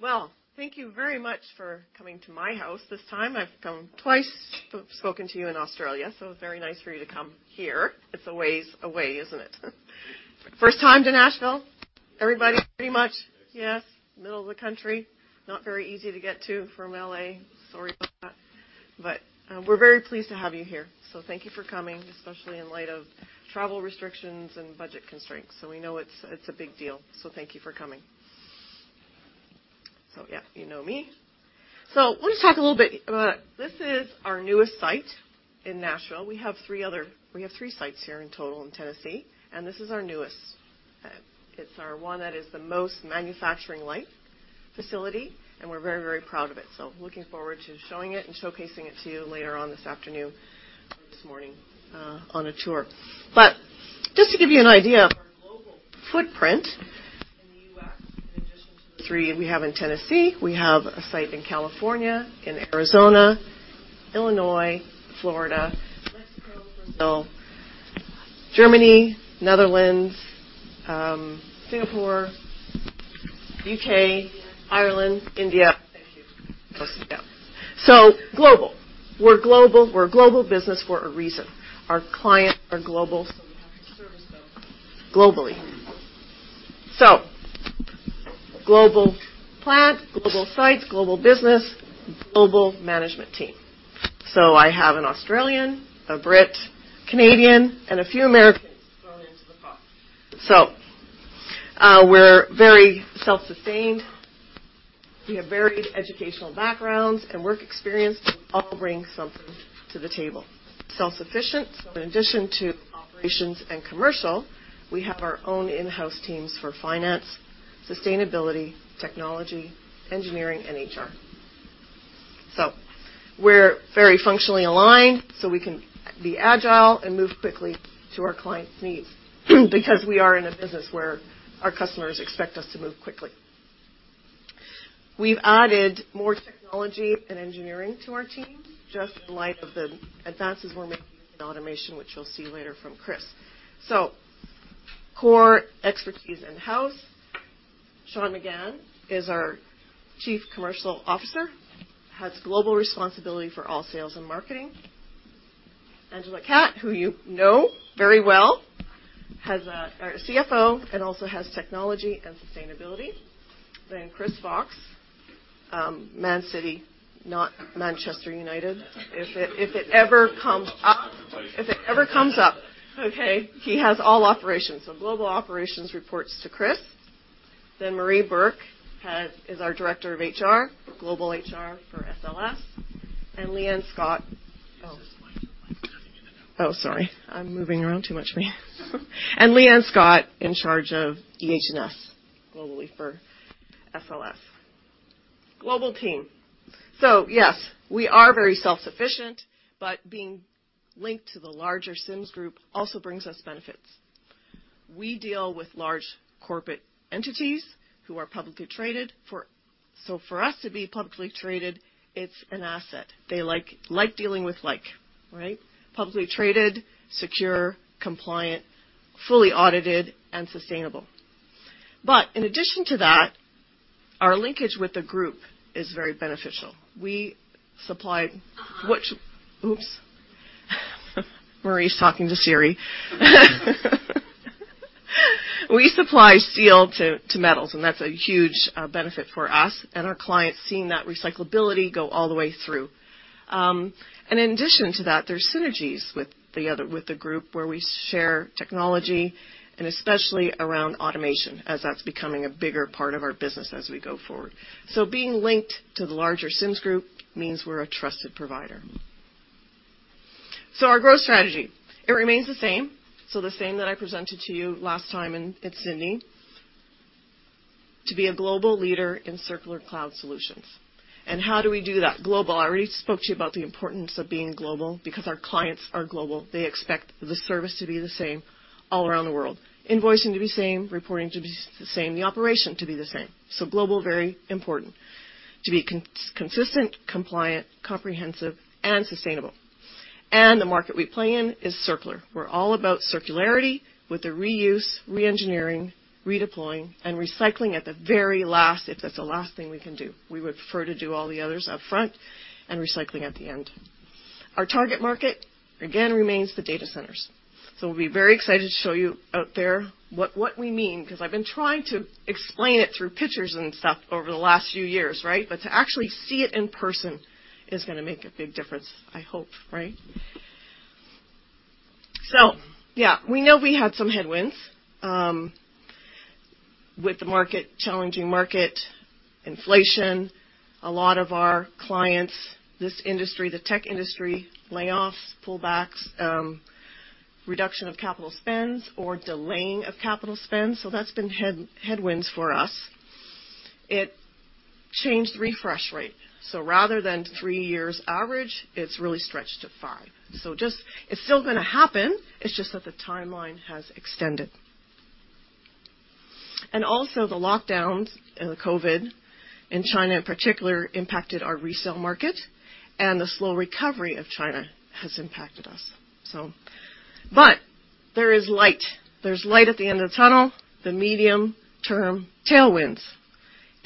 Well, thank you very much for coming to my house this time. I've come twice, spoken to you in Australia, so it's very nice for you to come here. It's a ways away, isn't it? First time to Nashville. Everybody, pretty much, yes, middle of the country. Not very easy to get to from L.A. Sorry about that, but we're very pleased to have you here, so thank you for coming, especially in light of travel restrictions and budget constraints. So we know it's a big deal, so thank you for coming. So yeah, you know me. So let me talk a little bit about... This is our newest site in Nashville. We have three other— We have three sites here in total in Tennessee, and this is our newest. It's our one that is the most manufacturing-light facility, and we're very, very proud of it, so looking forward to showing it and showcasing it to you later on this afternoon or this morning, on a tour. But just to give you an idea of our global footprint in the U.S., in addition to the three we have in Tennessee, we have a site in California, in Arizona, Illinois, Florida, Mexico, Brazil, Germany, Netherlands, Singapore, U.K., Ireland, India, and here. So global. We're global. We're a global business for a reason. Our clients are global, so we have to service them globally. So global plant, global sites, global business, global management team. So I have an Australian, a Brit, Canadian, and a few Americans thrown into the pot. So, we're very self-sustained. We have varied educational backgrounds and work experience. We all bring something to the table. Self-sufficient. So in addition to operations and commercial, we have our own in-house teams for finance, sustainability, technology, engineering, and HR. So we're very functionally aligned, so we can be agile and move quickly to our clients' needs because we are in a business where our customers expect us to move quickly. We've added more technology and engineering to our team, just in light of the advances we're making in automation, which you'll see later from Chris. So core expertise in-house. Sean Magann is our Chief Commercial Officer, has global responsibility for all sales and marketing. Angela Catt, who you know very well, has a-- our CFO, and also has technology and sustainability. Then Chris Fox, Man City, not Manchester United. If it ever comes up, okay, he has all operations. So global operations reports to Chris. Then Marie Burke is our Director of HR, Global HR for SLS, and Leanne Scott. Oh, sorry, I'm moving around too much maybe. And Leanne Scott, in charge of EHS globally for SLS. Global team. So yes, we are very self-sufficient, but being linked to the larger Sims Group also brings us benefits. We deal with large corporate entities who are publicly traded. So for us to be publicly traded, it's an asset. They like, like dealing with like, right? Publicly traded, secure, compliant, fully audited, and sustainable. But in addition to that, our linkage with the group is very beneficial. We supply— Oops. Marie's talking to Siri. We supply steel to metals, and that's a huge benefit for us and our clients, seeing that recyclability go all the way through. And in addition to that, there's synergies with the other—with the group, where we share technology, and especially around automation, as that's becoming a bigger part of our business as we go forward. So being linked to the larger Sims Group means we're a trusted provider. So our growth strategy, it remains the same, so the same that I presented to you last time in Sydney. To be a global leader in circular cloud solutions. And how do we do that? Global. I already spoke to you about the importance of being global, because our clients are global. They expect the service to be the same all around the world, invoicing to be the same, reporting to be the same, the operation to be the same. So global, very important. To be consistent, compliant, comprehensive, and sustainable. And the market we play in is circular. We're all about circularity with the reuse, re-engineering, redeploying, and recycling at the very last, if that's the last thing we can do. We would prefer to do all the others up front and recycling at the end. Our target market, again, remains the data centers, so we'll be very excited to show you out there what we mean, because I've been trying to explain it through pictures and stuff over the last few years, right? But to actually see it in person is gonna make a big difference, I hope, right. So yeah, we know we had some headwinds with the market, challenging market, inflation. A lot of our clients, this industry, the tech industry, layoffs, pullbacks, reduction of capital spends or delaying of capital spends, so that's been headwinds for us. It changed the refresh rate, so rather than three years average, it's really stretched to five. So just... It's still gonna happen, it's just that the timeline has extended. And also, the lockdowns and the COVID in China, in particular, impacted our resale market, and the slow recovery of China has impacted us. But there is light. There's light at the end of the tunnel, the medium-term tailwinds.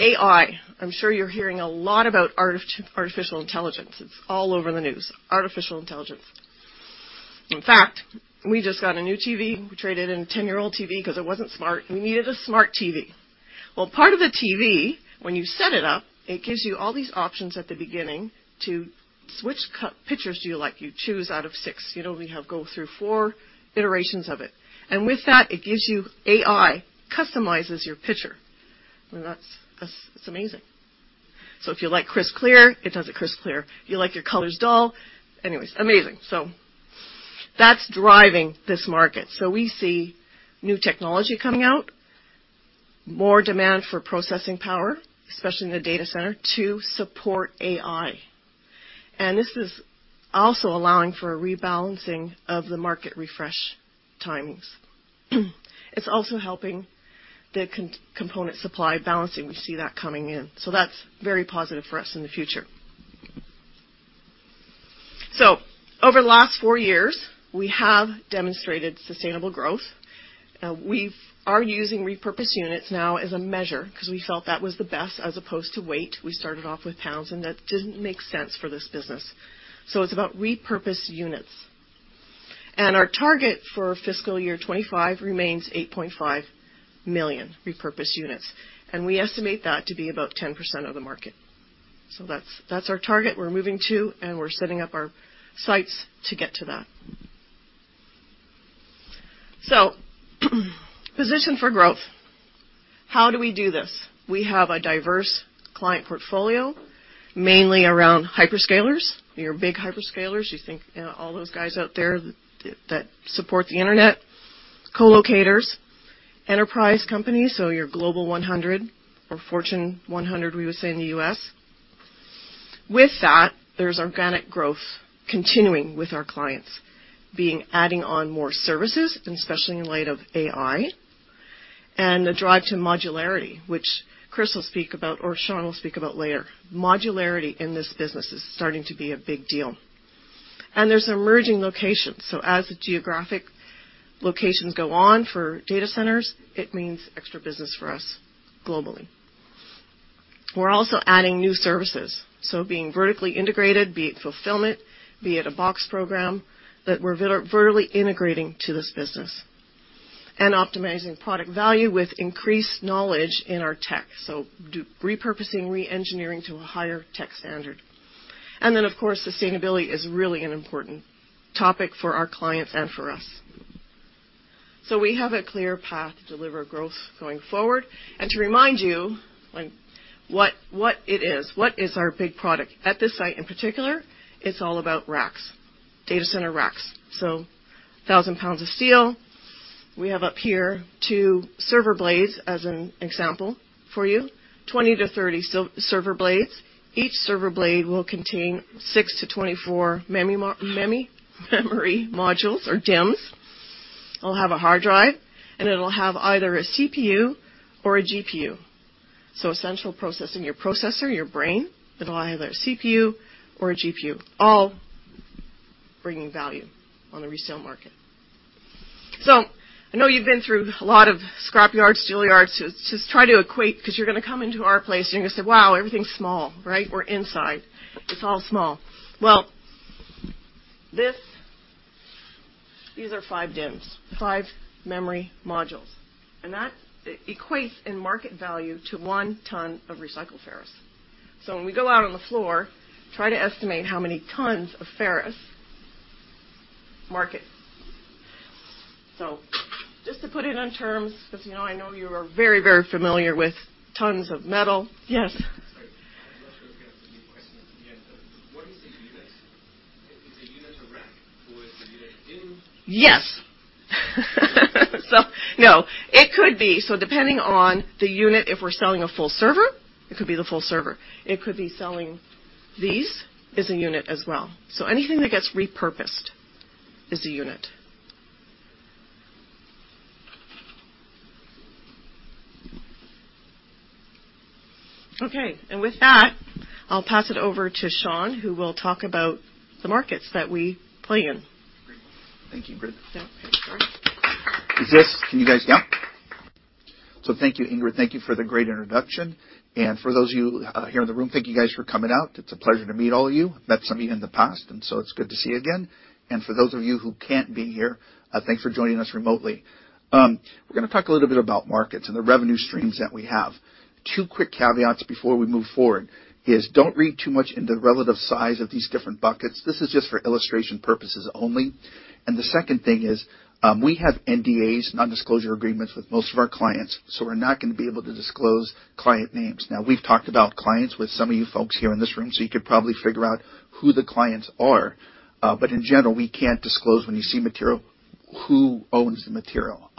AI, I'm sure you're hearing a lot about artificial intelligence. It's all over the news, artificial intelligence. In fact, we just got a new TV. We traded in a 10-year-old TV because it wasn't smart, and we needed a smart TV. Well, part of the TV, when you set it up, it gives you all these options at the beginning to... Which pictures do you like? You choose out of six. You know, we have gone through four iterations of it, and with that, it gives you AI, customizes your picture, and that's, that's, that's amazing. So if you like crisp, clear, it does it crisp, clear. If you like your colors dull... Anyways, amazing. So that's driving this market. So we see new technology coming out, more demand for processing power, especially in the data center, to support AI. And this is also allowing for a rebalancing of the market refresh timings. It's also helping the component supply balancing. We see that coming in, so that's very positive for us in the future. So over the last four years, we have demonstrated sustainable growth. We are using repurposed units now as a measure because we felt that was the best as opposed to weight. We started off with pounds, and that didn't make sense for this business. So it's about repurposed units. Our target for fiscal year 2025 remains 8.5 million repurposed units, and we estimate that to be about 10% of the market. So that's, that's our target we're moving to, and we're setting up our sites to get to that. So position for growth. How do we do this? We have a diverse client portfolio, mainly around hyperscalers, your big hyperscalers. You think, all those guys out there that, that support the internet, co-locators, enterprise companies, so your Global 100 or Fortune 100, we would say, in the U.S. With that, there's organic growth continuing with our clients, being adding on more services, and especially in light of AI and the drive to modularity, which Chris will speak about or Sean will speak about later. Modularity in this business is starting to be a big deal. There's emerging locations, so as the geographic locations go on for data centers, it means extra business for us globally. We're also adding new services, so being vertically integrated, be it fulfillment, be it a box program, that we're vertically integrating to this business. And optimizing product value with increased knowledge in our tech, so Repurposing, reengineering to a higher tech standard. And then, of course, sustainability is really an important topic for our clients and for us. So we have a clear path to deliver growth going forward. And to remind you, like, what, what it is, what is our big product? At this site, in particular, it's all about racks, data center racks. So 1,000 pounds of steel. We have up here two server blades as an example for you, 20-30 server blades. Each server blade will contain six-24 memory modules, or DIMMs. It'll have a hard drive, and it'll have either a CPU or a GPU. So a central processing, your processor, your brain, it'll either a CPU or a GPU, all bringing value on the resale market. So I know you've been through a lot of scrap yards, steel yards, to try to equate, because you're going to come into our place, and you're going to say: "Wow, everything's small," right? We're inside. It's all small. Well, this, these are five DIMMs, five memory modules, and that equates in market value to 1 ton of recycled ferrous. So when we go out on the floor, try to estimate how many tons of ferrous, market. So just to put it in terms, because, you know, I know you are very, very familiar with tons of metal. Yes? Sorry, I'm not sure if we have a few questions at the end, but what is the unit? Is the unit a rack? Or is the unit a DIMM? Yes. So, no, it could be. So depending on the unit, if we're selling a full server, it could be the full server. It could be selling these is a unit as well. So anything that gets repurposed is a unit. Okay, and with that, I'll pass it over to Sean, who will talk about the markets that we play in. Thank you, Ingrid. Yeah, sure. Can you guys hear? So thank you, Ingrid. Thank you for the great introduction. And for those of you here in the room, thank you, guys, for coming out. It's a pleasure to meet all of you. Met some of you in the past, and so it's good to see you again. And for those of you who can't be here, thanks for joining us remotely. We're gonna talk a little bit about markets and the revenue streams that we have. Two quick caveats before we move forward is, don't read too much into the relative size of these different buckets. This is just for illustration purposes only. And the second thing is, we have NDAs, non-disclosure agreements, with most of our clients, so we're not going to be able to disclose client names. Now, we've talked about clients with some of you folks here in this room, so you could probably figure out who the clients are, but in general, we can't disclose, when you see material, who owns the material.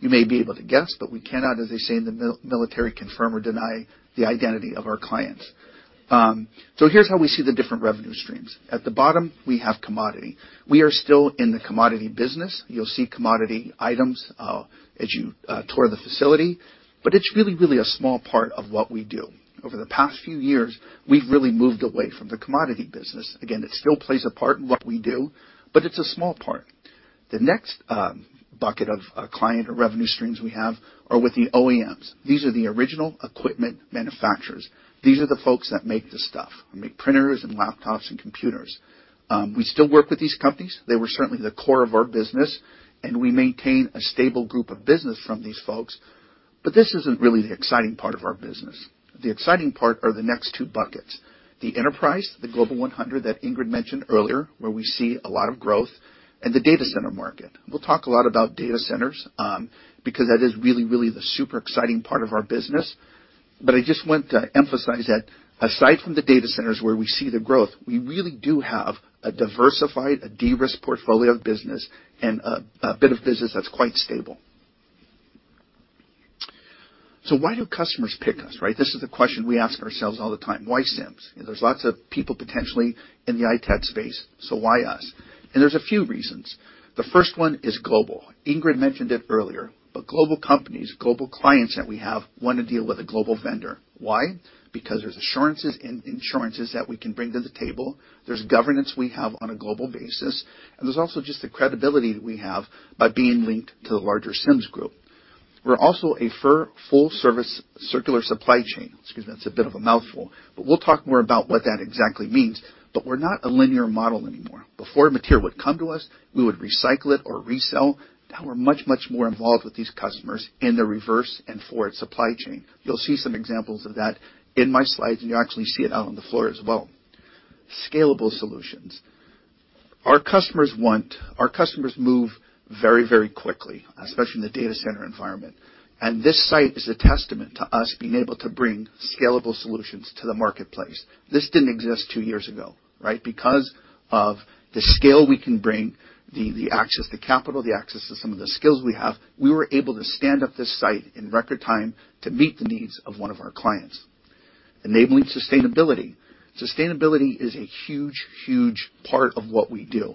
You may be able to guess, but we cannot, as they say in the military, confirm or deny the identity of our clients. So here's how we see the different revenue streams. At the bottom, we have commodity. We are still in the commodity business. You'll see commodity items, as you tour the facility, but it's really, really a small part of what we do. Over the past few years, we've really moved away from the commodity business. Again, it still plays a part in what we do, but it's a small part. The next, bucket of, client or revenue streams we have are with the OEMs. These are the original equipment manufacturers. These are the folks that make the stuff, that make printers and laptops and computers. We still work with these companies. They were certainly the core of our business, and we maintain a stable group of business from these folks, but this isn't really the exciting part of our business. The exciting part are the next two buckets, the enterprise, the Global 100 that Ingrid mentioned earlier, where we see a lot of growth, and the data center market. We'll talk a lot about data centers, because that is really, really the super exciting part of our business. But I just want to emphasize that aside from the data centers where we see the growth, we really do have a diversified, a de-risked portfolio of business and a, a bit of business that's quite stable. So why do customers pick us, right? This is a question we ask ourselves all the time: Why Sims? There's lots of people potentially in the ITAD space, so why us? And there's a few reasons. The first one is global. Ingrid mentioned it earlier, but global companies, global clients that we have, want to deal with a global vendor. Why? Because there's assurances and insurances that we can bring to the table. There's governance we have on a global basis, and there's also just the credibility that we have by being linked to the larger Sims Group. We're also a full-service circular supply chain. Excuse me, that's a bit of a mouthful, but we'll talk more about what that exactly means. But we're not a linear model anymore. Before, material would come to us, we would recycle it or resell. Now we're much, much more involved with these customers in the reverse and forward supply chain. You'll see some examples of that in my slides, and you'll actually see it out on the floor as well. Scalable solutions. Our customers want. Our customers move very, very quickly, especially in the data center environment, and this site is a testament to us being able to bring scalable solutions to the marketplace. This didn't exist two years ago, right? Because of the scale we can bring, the access to capital, the access to some of the skills we have, we were able to stand up this site in record time to meet the needs of one of our clients. Enabling sustainability. Sustainability is a huge, huge part of what we do.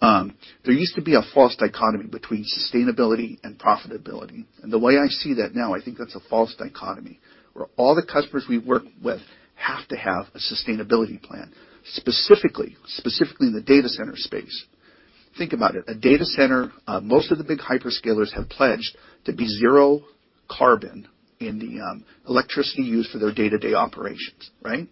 There used to be a false dichotomy between sustainability and profitability, and the way I see that now, I think that's a false dichotomy, where all the customers we work with have to have a sustainability plan, specifically, specifically in the data center space. Think about it, a data center, most of the big hyperscalers have pledged to be zero carbon in the electricity used for their day-to-day operations, right?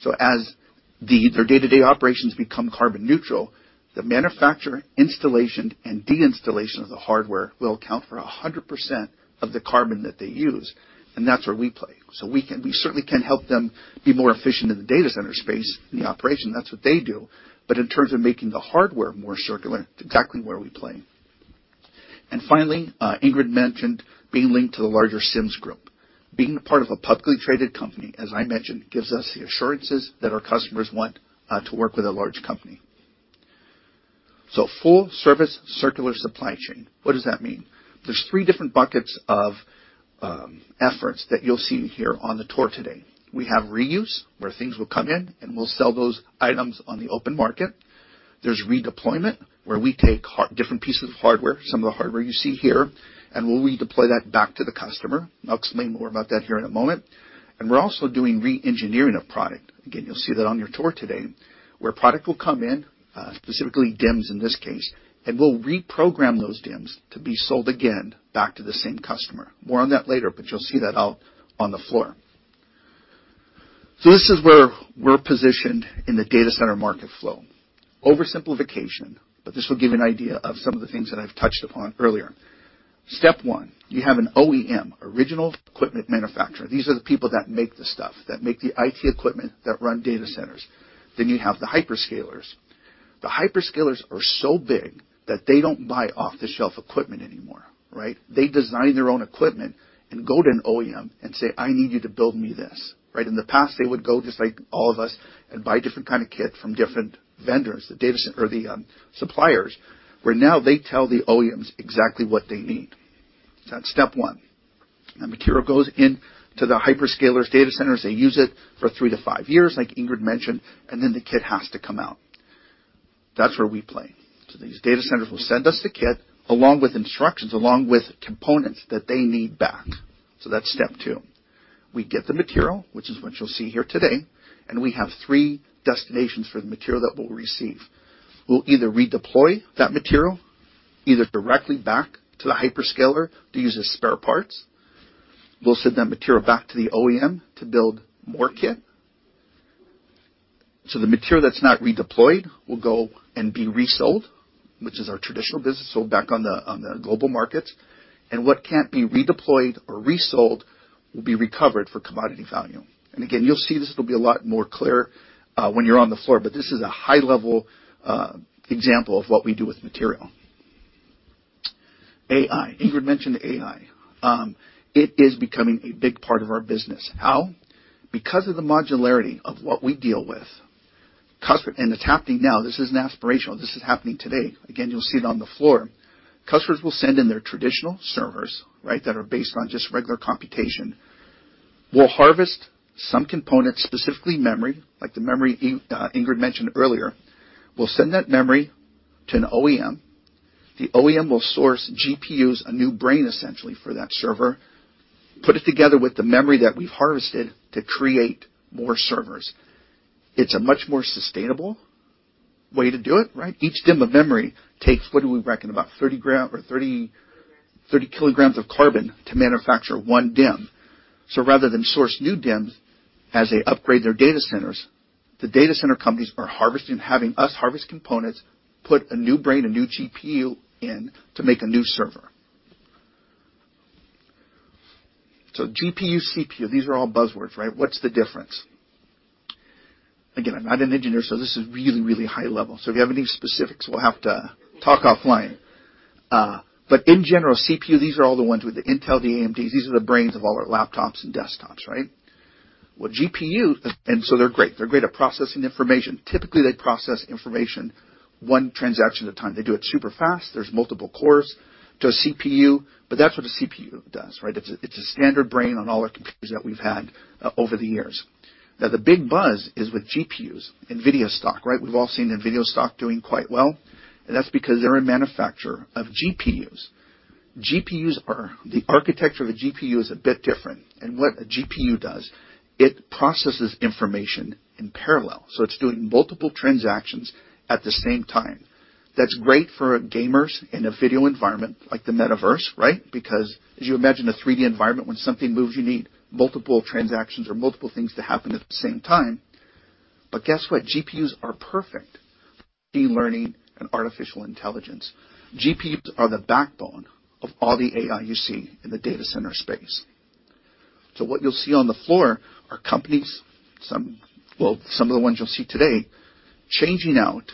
So as their day-to-day operations become carbon neutral, the manufacture, installation, and deinstallation of the hardware will account for 100% of the carbon that they use, and that's where we play. So we certainly can help them be more efficient in the data center space, in the operation, that's what they do. But in terms of making the hardware more circular, exactly where we play. And finally, Ingrid mentioned being linked to the larger Sims Group. Being a part of a publicly traded company, as I mentioned, gives us the assurances that our customers want, to work with a large company. So full service circular supply chain. What does that mean? There's three different buckets of efforts that you'll see here on the tour today. We have reuse, where things will come in, and we'll sell those items on the open market. There's redeployment, where we take different pieces of hardware, some of the hardware you see here, and we'll redeploy that back to the customer. I'll explain more about that here in a moment. We're also doing re-engineering of product. Again, you'll see that on your tour today, where product will come in, specifically DIMMs in this case, and we'll reprogram those DIMMs to be sold again back to the same customer. More on that later, but you'll see that out on the floor. This is where we're positioned in the data center market flow. Oversimplification, but this will give you an idea of some of the things that I've touched upon earlier. Step one, you have an OEM, original equipment manufacturer. These are the people that make the stuff, that make the IT equipment, that run data centers. Then you have the hyperscalers. The hyperscalers are so big that they don't buy off-the-shelf equipment anymore, right? They design their own equipment and go to an OEM and say, "I need you to build me this," right? In the past, they would go, just like all of us, and buy different kind of kit from different vendors, the data center or the suppliers, where now they tell the OEMs exactly what they need. That's step one. That material goes into the hyperscalers' data centers. They use it for three to five years, like Ingrid mentioned, and then the kit has to come out. That's where we play. So these data centers will send us the kit, along with instructions, along with components that they need back. So that's step two. We get the material, which is what you'll see here today, and we have three destinations for the material that we'll receive. We'll either redeploy that material, either directly back to the hyperscaler to use as spare parts. We'll send that material back to the OEM to build more kit. So the material that's not redeployed will go and be resold, which is our traditional business, so back on the, on the global markets, and what can't be redeployed or resold will be recovered for commodity value. And again, you'll see this will be a lot more clear when you're on the floor, but this is a high-level example of what we do with material. AI. Ingrid mentioned AI. It is becoming a big part of our business. How? Because of the modularity of what we deal with. And it's happening now. This isn't aspirational. This is happening today. Again, you'll see it on the floor. Customers will send in their traditional servers, right? That are based on just regular computation. We'll harvest some components, specifically memory, like the memory Ingrid mentioned earlier. We'll send that memory to an OEM. The OEM will source GPUs, a new brain, essentially, for that server, put it together with the memory that we've harvested to create more servers. It's a much more sustainable way to do it, right? Each DIMM of memory takes, what do we reckon, about 30 grams or 30 kilograms of carbon to manufacture one DIMM. So rather than source new DIMMs as they upgrade their data centers, the data center companies are harvesting, having us harvest components, put a new brain, a new GPU in to make a new server. So GPU, CPU, these are all buzzwords, right? What's the difference? Again, I'm not an engineer, so this is really, really high level. So if you have any specifics, we'll have to talk offline. But in general, CPU, these are all the ones with the Intel, the AMDs. These are the brains of all our laptops and desktops, right? What GPU... And so they're great. They're great at processing information. Typically, they process information one transaction at a time. They do it super fast. There's multiple cores to a CPU, but that's what a CPU does, right? It's a standard brain on all our computers that we've had over the years. Now, the big buzz is with GPUs, Nvidia stock, right? We've all seen Nvidia stock doing quite well, and that's because they're a manufacturer of GPUs. GPUs are. The architecture of a GPU is a bit different, and what a GPU does, it processes information in parallel, so it's doing multiple transactions at the same time. That's great for gamers in a video environment like the metaverse, right? Because as you imagine, a 3D environment, when something moves, you need multiple transactions or multiple things to happen at the same time. But guess what? GPUs are perfect for machine learning and artificial intelligence. GPUs are the backbone of all the AI you see in the data center space. So what you'll see on the floor are companies, some, well, some of the ones you'll see today, changing out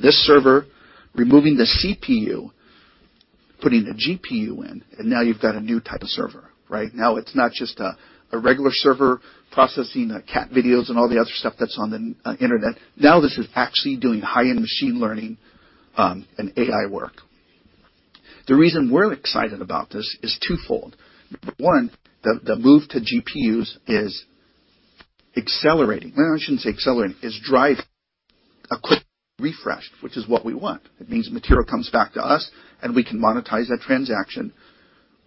this server, removing the CPU, putting a GPU in, and now you've got a new type of server, right? Now, it's not just a regular server processing cat videos and all the other stuff that's on the internet. Now, this is actually doing high-end machine learning and AI work. The reason we're excited about this is twofold. One, the move to GPUs is accelerating. Well, I shouldn't say accelerating, is driving a quick refresh, which is what we want. It means material comes back to us, and we can monetize that transaction.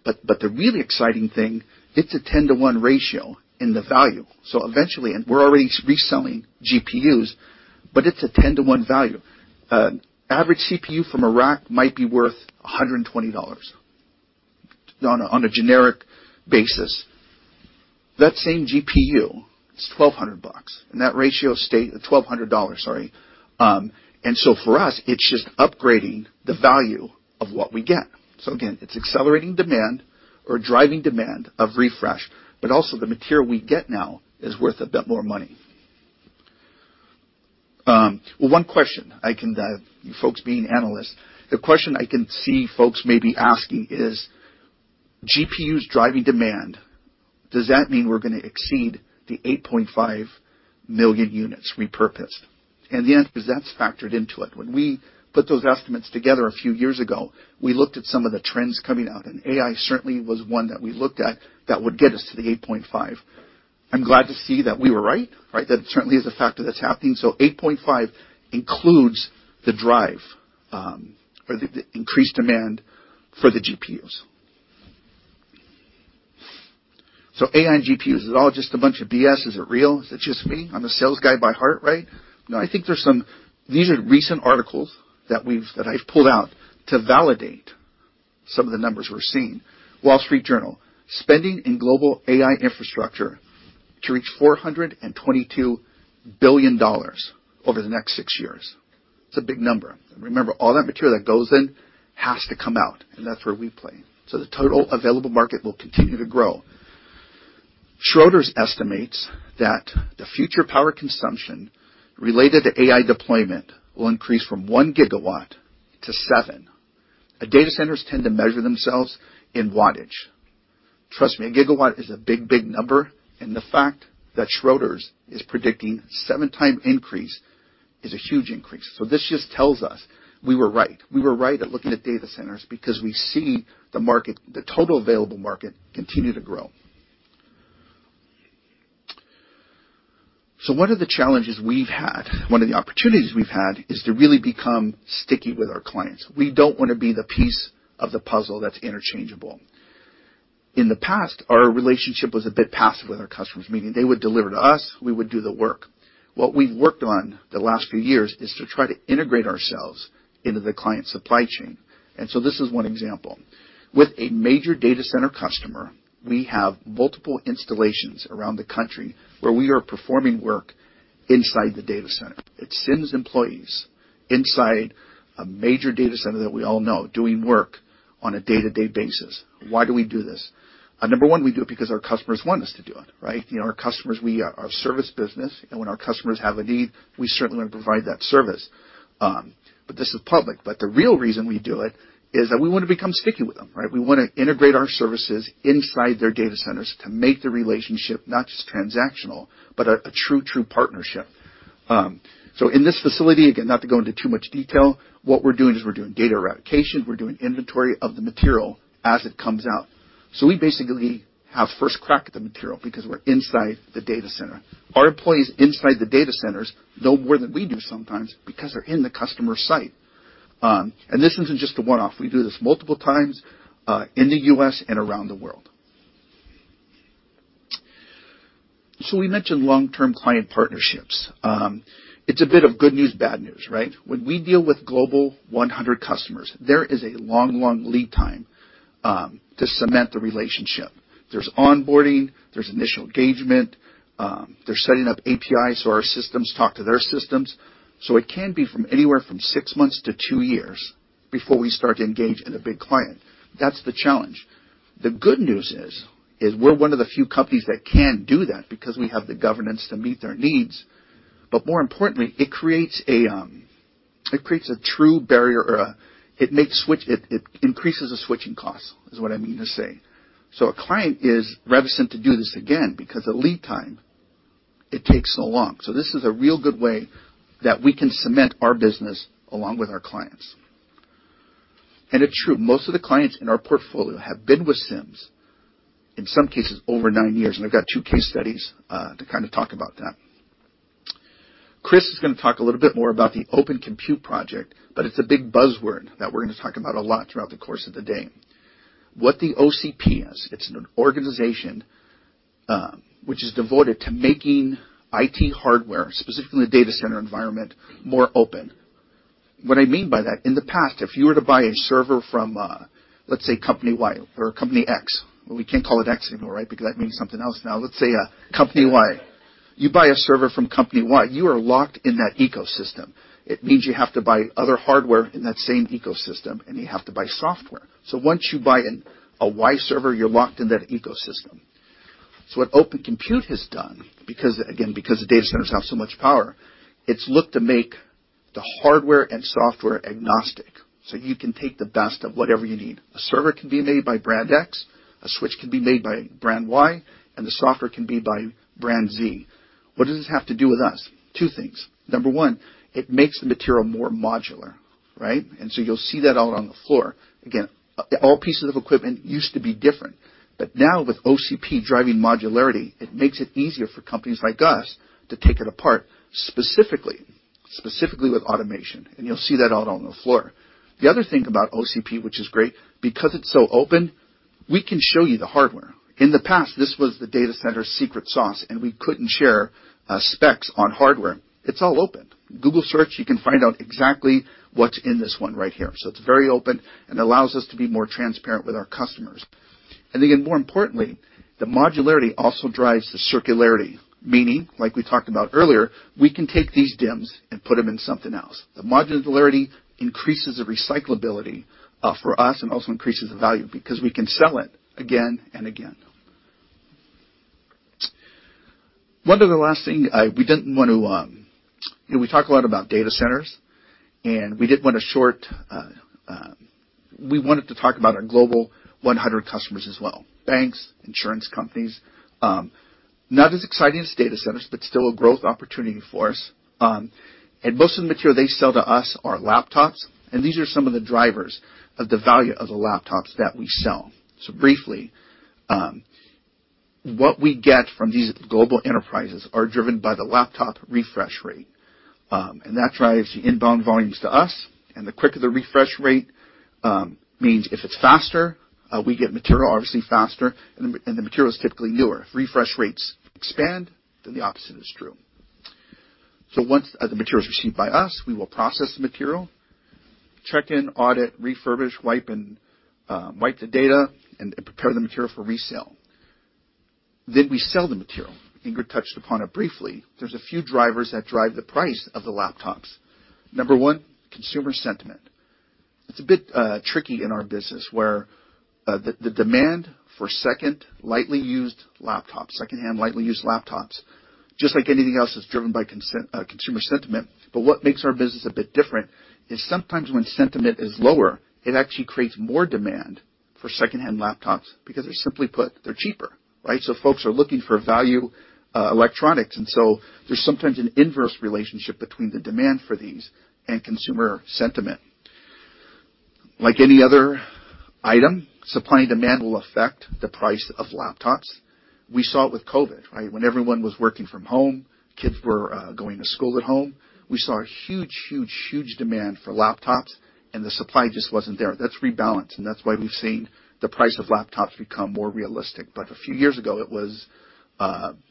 But the really exciting thing, it's a 10-to-1 ratio in the value. So eventually, and we're already reselling GPUs, but it's a 10-to-1 value. Average CPU from a rack might be worth $120 on a generic basis. That same GPU is $1,200 bucks. And that ratio says $1,200, sorry. And so for us, it's just upgrading the value of what we get. So again, it's accelerating demand or driving demand of refresh, but also the material we get now is worth a bit more money. Well, one question I can dive, you folks being analysts, the question I can see folks maybe asking is: GPUs driving demand, does that mean we're gonna exceed the 8.5 million units repurposed? And the answer is, that's factored into it. When we put those estimates together a few years ago, we looked at some of the trends coming out, and AI certainly was one that we looked at that would get us to the 8.5. I'm glad to see that we were right. Right? That certainly is a factor that's happening. So 8.5 includes the drive, or the increased demand for the GPUs. So AI and GPUs, is it all just a bunch of BS? Is it real? Is it just me? I'm a sales guy by heart, right? No, I think there's some... These are recent articles that I've pulled out to validate some of the numbers we're seeing. Wall Street Journal, spending in global AI infrastructure to reach $422 billion over the next six years. It's a big number. Remember, all that material that goes in has to come out, and that's where we play. So the total available market will continue to grow. Schroders estimates that the future power consumption related to AI deployment will increase from 1 GW to 7 GW. Now, data centers tend to measure themselves in wattage. Trust me, a GW is a big, big number, and the fact that Schroders is predicting seven times increase is a huge increase. So this just tells us we were right. We were right at looking at data centers because we see the market, the total available market, continue to grow. So one of the challenges we've had, one of the opportunities we've had, is to really become sticky with our clients. We don't want to be the piece of the puzzle that's interchangeable. In the past, our relationship was a bit passive with our customers, meaning they would deliver to us, we would do the work. What we've worked on the last few years is to try to integrate ourselves into the client's supply chain, and so this is one example. With a major data center customer, we have multiple installations around the country where we are performing work inside the data center. It sends employees inside a major data center that we all know, doing work on a day-to-day basis. Why do we do this? Number one, we do it because our customers want us to do it, right? You know, our customers, we are a service business, and when our customers have a need, we certainly want to provide that service. But this is public. But the real reason we do it is that we want to become sticky with them, right? We want to integrate our services inside their data centers to make the relationship not just transactional, but a, a true, true partnership. So in this facility, again, not to go into too much detail, what we're doing is we're doing data eradication, we're doing inventory of the material as it comes out. So we basically have first crack at the material because we're inside the data center. Our employees inside the data centers know more than we do sometimes because they're in the customer site. And this isn't just a one-off. We do this multiple times, in the U.S. and around the world. So we mentioned long-term client partnerships. It's a bit of good news, bad news, right? When we deal with Global 100 customers, there is a long, long lead time to cement the relationship. There's onboarding, there's initial engagement, there's setting up APIs so our systems talk to their systems. So it can be from anywhere from six months to two years before we start to engage in a big client. That's the challenge. The good news is, is we're one of the few companies that can do that because we have the governance to meet their needs. But more importantly, it creates a true barrier or a... It increases the switching cost, is what I mean to say. So a client is reticent to do this again because the lead time, it takes so long. So this is a real good way that we can cement our business along with our clients. It's true, most of the clients in our portfolio have been with Sims, in some cases, over nine years, and I've got two case studies to kind of talk about that. Chris is going to talk a little bit more about the Open Compute Project, but it's a big buzzword that we're going to talk about a lot throughout the course of the day. What the OCP is, it's an organization which is devoted to making IT hardware, specifically the data center environment, more open. What I mean by that, in the past, if you were to buy a server from, let's say, company Y or company X, we can't call it X anymore, right? Because that means something else now. Let's say, company Y. You buy a server from company Y, you are locked in that ecosystem. It means you have to buy other hardware in that same ecosystem, and you have to buy software. So once you buy a Y server, you're locked in that ecosystem. So what Open Compute has done, because again, because the data centers have so much power, it's looked to make the hardware and software agnostic, so you can take the best of whatever you need. A server can be made by brand X, a switch can be made by brand Y, and the software can be by brand Z. What does this have to do with us? Two things. Number one, it makes the material more modular, right? And so you'll see that out on the floor. Again, all pieces of equipment used to be different, but now with OCP driving modularity, it makes it easier for companies like us to take it apart, specifically, specifically with automation, and you'll see that out on the floor. The other thing about OCP, which is great, because it's so open, we can show you the hardware. In the past, this was the data center's secret sauce, and we couldn't share, specs on hardware. It's all open. Google search, you can find out exactly what's in this one right here. So it's very open and allows us to be more transparent with our customers. And again, more importantly, the modularity also drives the circularity, meaning, like we talked about earlier, we can take these DIMs and put them in something else. The modularity increases the recyclability for us and also increases the value because we can sell it again and again. One of the last thing we didn't want to. You know, we talked a lot about data centers, and we didn't want to short we wanted to talk about our Global 100 customers as well, banks, insurance companies. Not as exciting as data centers, but still a growth opportunity for us. And most of the material they sell to us are laptops, and these are some of the drivers of the value of the laptops that we sell. So briefly, what we get from these global enterprises are driven by the laptop refresh rate, and that drives the inbound volumes to us, and the quicker the refresh rate, means if it's faster, we get material, obviously faster, and the material is typically newer. If refresh rates expand, then the opposite is true. So once, the material is received by us, we will process the material, check in, audit, refurbish, wipe and wipe the data, and prepare the material for resale. Then we sell the material. Ingrid touched upon it briefly. There's a few drivers that drive the price of the laptops. Number one, consumer sentiment. It's a bit tricky in our business where, the demand for second lightly used laptops, secondhand lightly used laptops, just like anything else, is driven by consumer sentiment. But what makes our business a bit different is sometimes when sentiment is lower, it actually creates more demand for secondhand laptops because they're simply put, they're cheaper, right? So folks are looking for value, electronics, and so there's sometimes an inverse relationship between the demand for these and consumer sentiment. Like any other item, supply and demand will affect the price of laptops. We saw it with COVID, right? When everyone was working from home, kids were going to school at home. We saw a huge, huge, huge demand for laptops, and the supply just wasn't there. That's rebalanced, and that's why we've seen the price of laptops become more realistic. But a few years ago,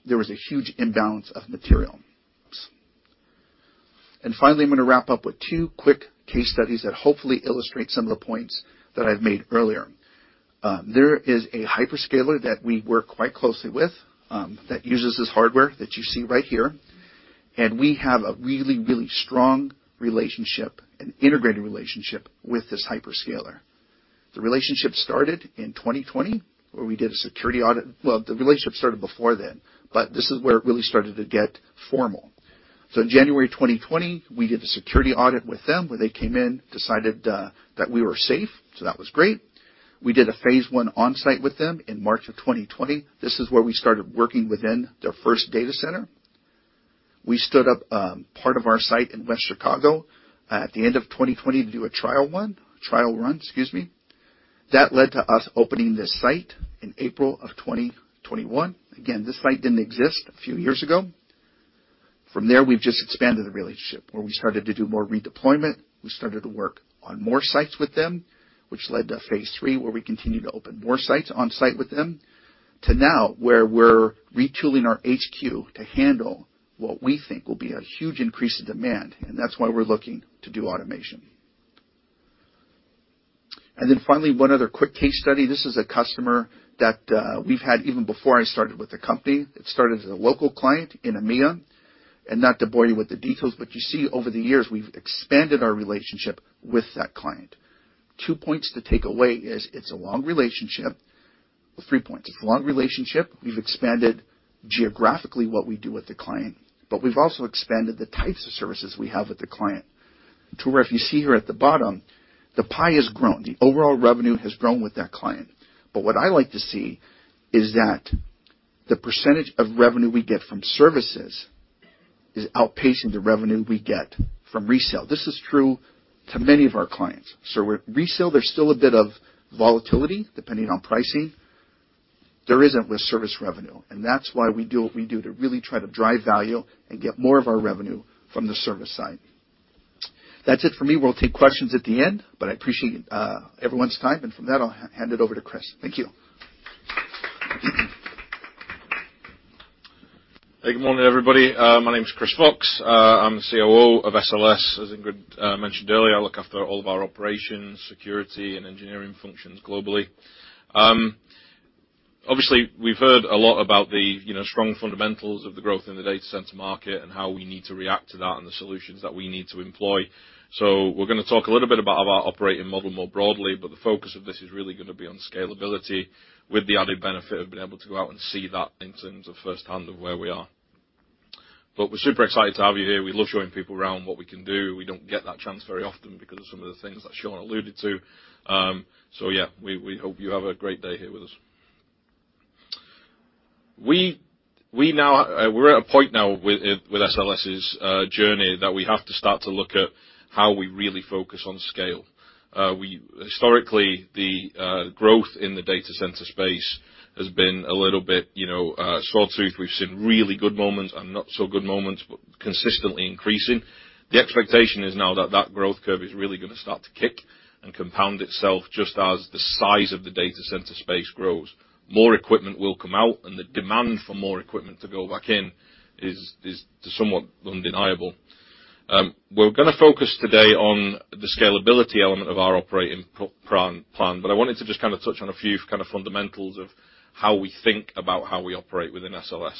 there was a huge imbalance of material. Finally, I'm going to wrap up with two quick case studies that hopefully illustrate some of the points that I've made earlier. There is a hyperscaler that we work quite closely with, that uses this hardware that you see right here, and we have a really, really strong relationship, an integrated relationship with this hyperscaler. The relationship started in 2020, where we did a security audit. Well, the relationship started before then, but this is where it really started to get formal. So in January 2020, we did a security audit with them, where they came in, decided, that we were safe, so that was great. We did a phase one on-site with them in March 2020. This is where we started working within their first data center. We stood up part of our site in West Chicago at the end of 2020 to do a trial run, excuse me. That led to us opening this site in April of 2021. Again, this site didn't exist a few years ago. From there, we've just expanded the relationship, where we started to do more redeployment. We started to work on more sites with them, which led to phase three, where we continued to open more sites on-site with them, to now, where we're retooling our HQ to handle what we think will be a huge increase in demand, and that's why we're looking to do automation. Then finally, one other quick case study. This is a customer that we've had even before I started with the company. It started as a local client in EMEA, and not to bore you with the details, but you see over the years, we've expanded our relationship with that client. Two points to take away is it's a long relationship. Well, three points. It's a long relationship, we've expanded geographically what we do with the client, but we've also expanded the types of services we have with the client. To where if you see here at the bottom, the pie has grown. The overall revenue has grown with that client. But what I like to see is that the percentage of revenue we get from services is outpacing the revenue we get from resale. This is true to many of our clients. So with resale, there's still a bit of volatility depending on pricing. There isn't with service revenue, and that's why we do what we do, to really try to drive value and get more of our revenue from the service side. That's it for me. We'll take questions at the end, but I appreciate everyone's time, and from that, I'll hand it over to Chris. Thank you. Hey, good morning, everybody. My name is Chris Fox. I'm the COO of SLS. As Ingrid mentioned earlier, I look after all of our operations, security, and engineering functions globally. Obviously, we've heard a lot about the, you know, strong fundamentals of the growth in the data center market and how we need to react to that and the solutions that we need to employ. So we're gonna talk a little bit about our operating model more broadly, but the focus of this is really gonna be on scalability, with the added benefit of being able to go out and see that in terms of firsthand of where we are. But we're super excited to have you here. We love showing people around what we can do. We don't get that chance very often because of some of the things that Sean alluded to. So yeah, we, we hope you have a great day here with us. We, we now, We're at a point now with, with SLS's journey, that we have to start to look at how we really focus on scale. We historically, the growth in the data center space has been a little bit, you know, sawtooth. We've seen really good moments and not so good moments, but consistently increasing. The expectation is now that that growth curve is really gonna start to kick and compound itself, just as the size of the data center space grows. More equipment will come out, and the demand for more equipment to go back in is, is somewhat undeniable. We're gonna focus today on the scalability element of our operating plan, but I wanted to just kind of touch on a few kind of fundamentals of how we think about how we operate within SLS.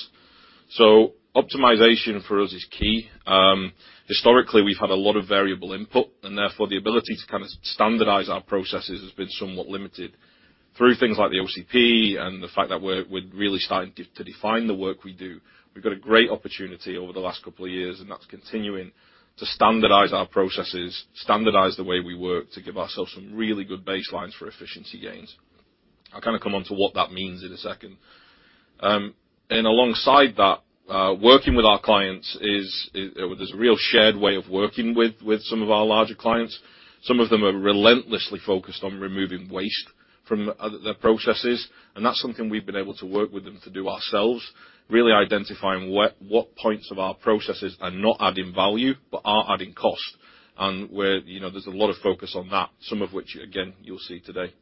So optimization for us is key. Historically, we've had a lot of variable input, and therefore, the ability to kind of standardize our processes has been somewhat limited. Through things like the OCP and the fact that we're really starting to define the work we do, we've got a great opportunity over the last couple of years, and that's continuing, to standardize our processes, standardize the way we work, to give ourselves some really good baselines for efficiency gains. I'll kind of come on to what that means in a second. And alongside that, working with our clients is... There's a real shared way of working with some of our larger clients. Some of them are relentlessly focused on removing waste from their processes, and that's something we've been able to work with them to do ourselves, really identifying what points of our processes are not adding value, but are adding cost. You know, there's a lot of focus on that, some of which, again, you'll see today.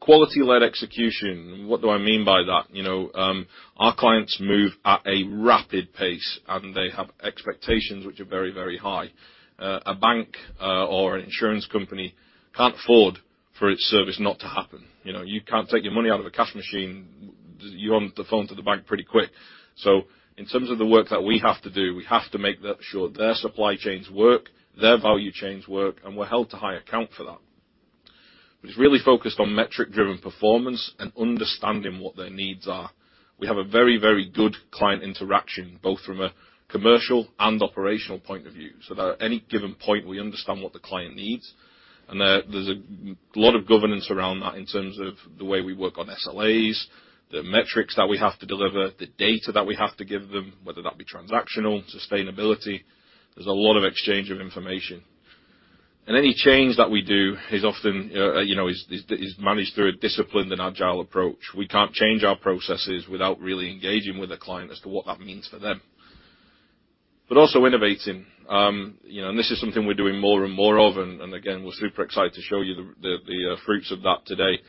Quality-led execution, what do I mean by that? You know, our clients move at a rapid pace, and they have expectations which are very, very high. A bank or an insurance company can't afford for its service not to happen. You know, you can't take your money out of a cash machine, you're on the phone to the bank pretty quick. So in terms of the work that we have to do, we have to make that sure their supply chains work, their value chains work, and we're held to high account for that. But it's really focused on metric-driven performance and understanding what their needs are. We have a very, very good client interaction, both from a commercial and operational point of view, so that at any given point, we understand what the client needs. And there, there's a lot of governance around that in terms of the way we work on SLAs, the metrics that we have to deliver, the data that we have to give them, whether that be transactional, sustainability. There's a lot of exchange of information. And any change that we do is often managed through a disciplined and agile approach. We can't change our processes without really engaging with the client as to what that means for them. But also innovating, you know, and this is something we're doing more and more of, and, and again, we're super excited to show you the, the fruits of that today...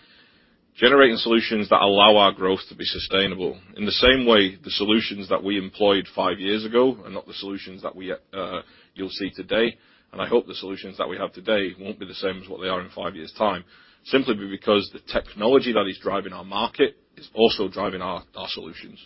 generating solutions that allow our growth to be sustainable. In the same way, the solutions that we employed five years ago are not the solutions that we, you'll see today, and I hope the solutions that we have today won't be the same as what they are in five years' time. Simply because the technology that is driving our market is also driving our solutions.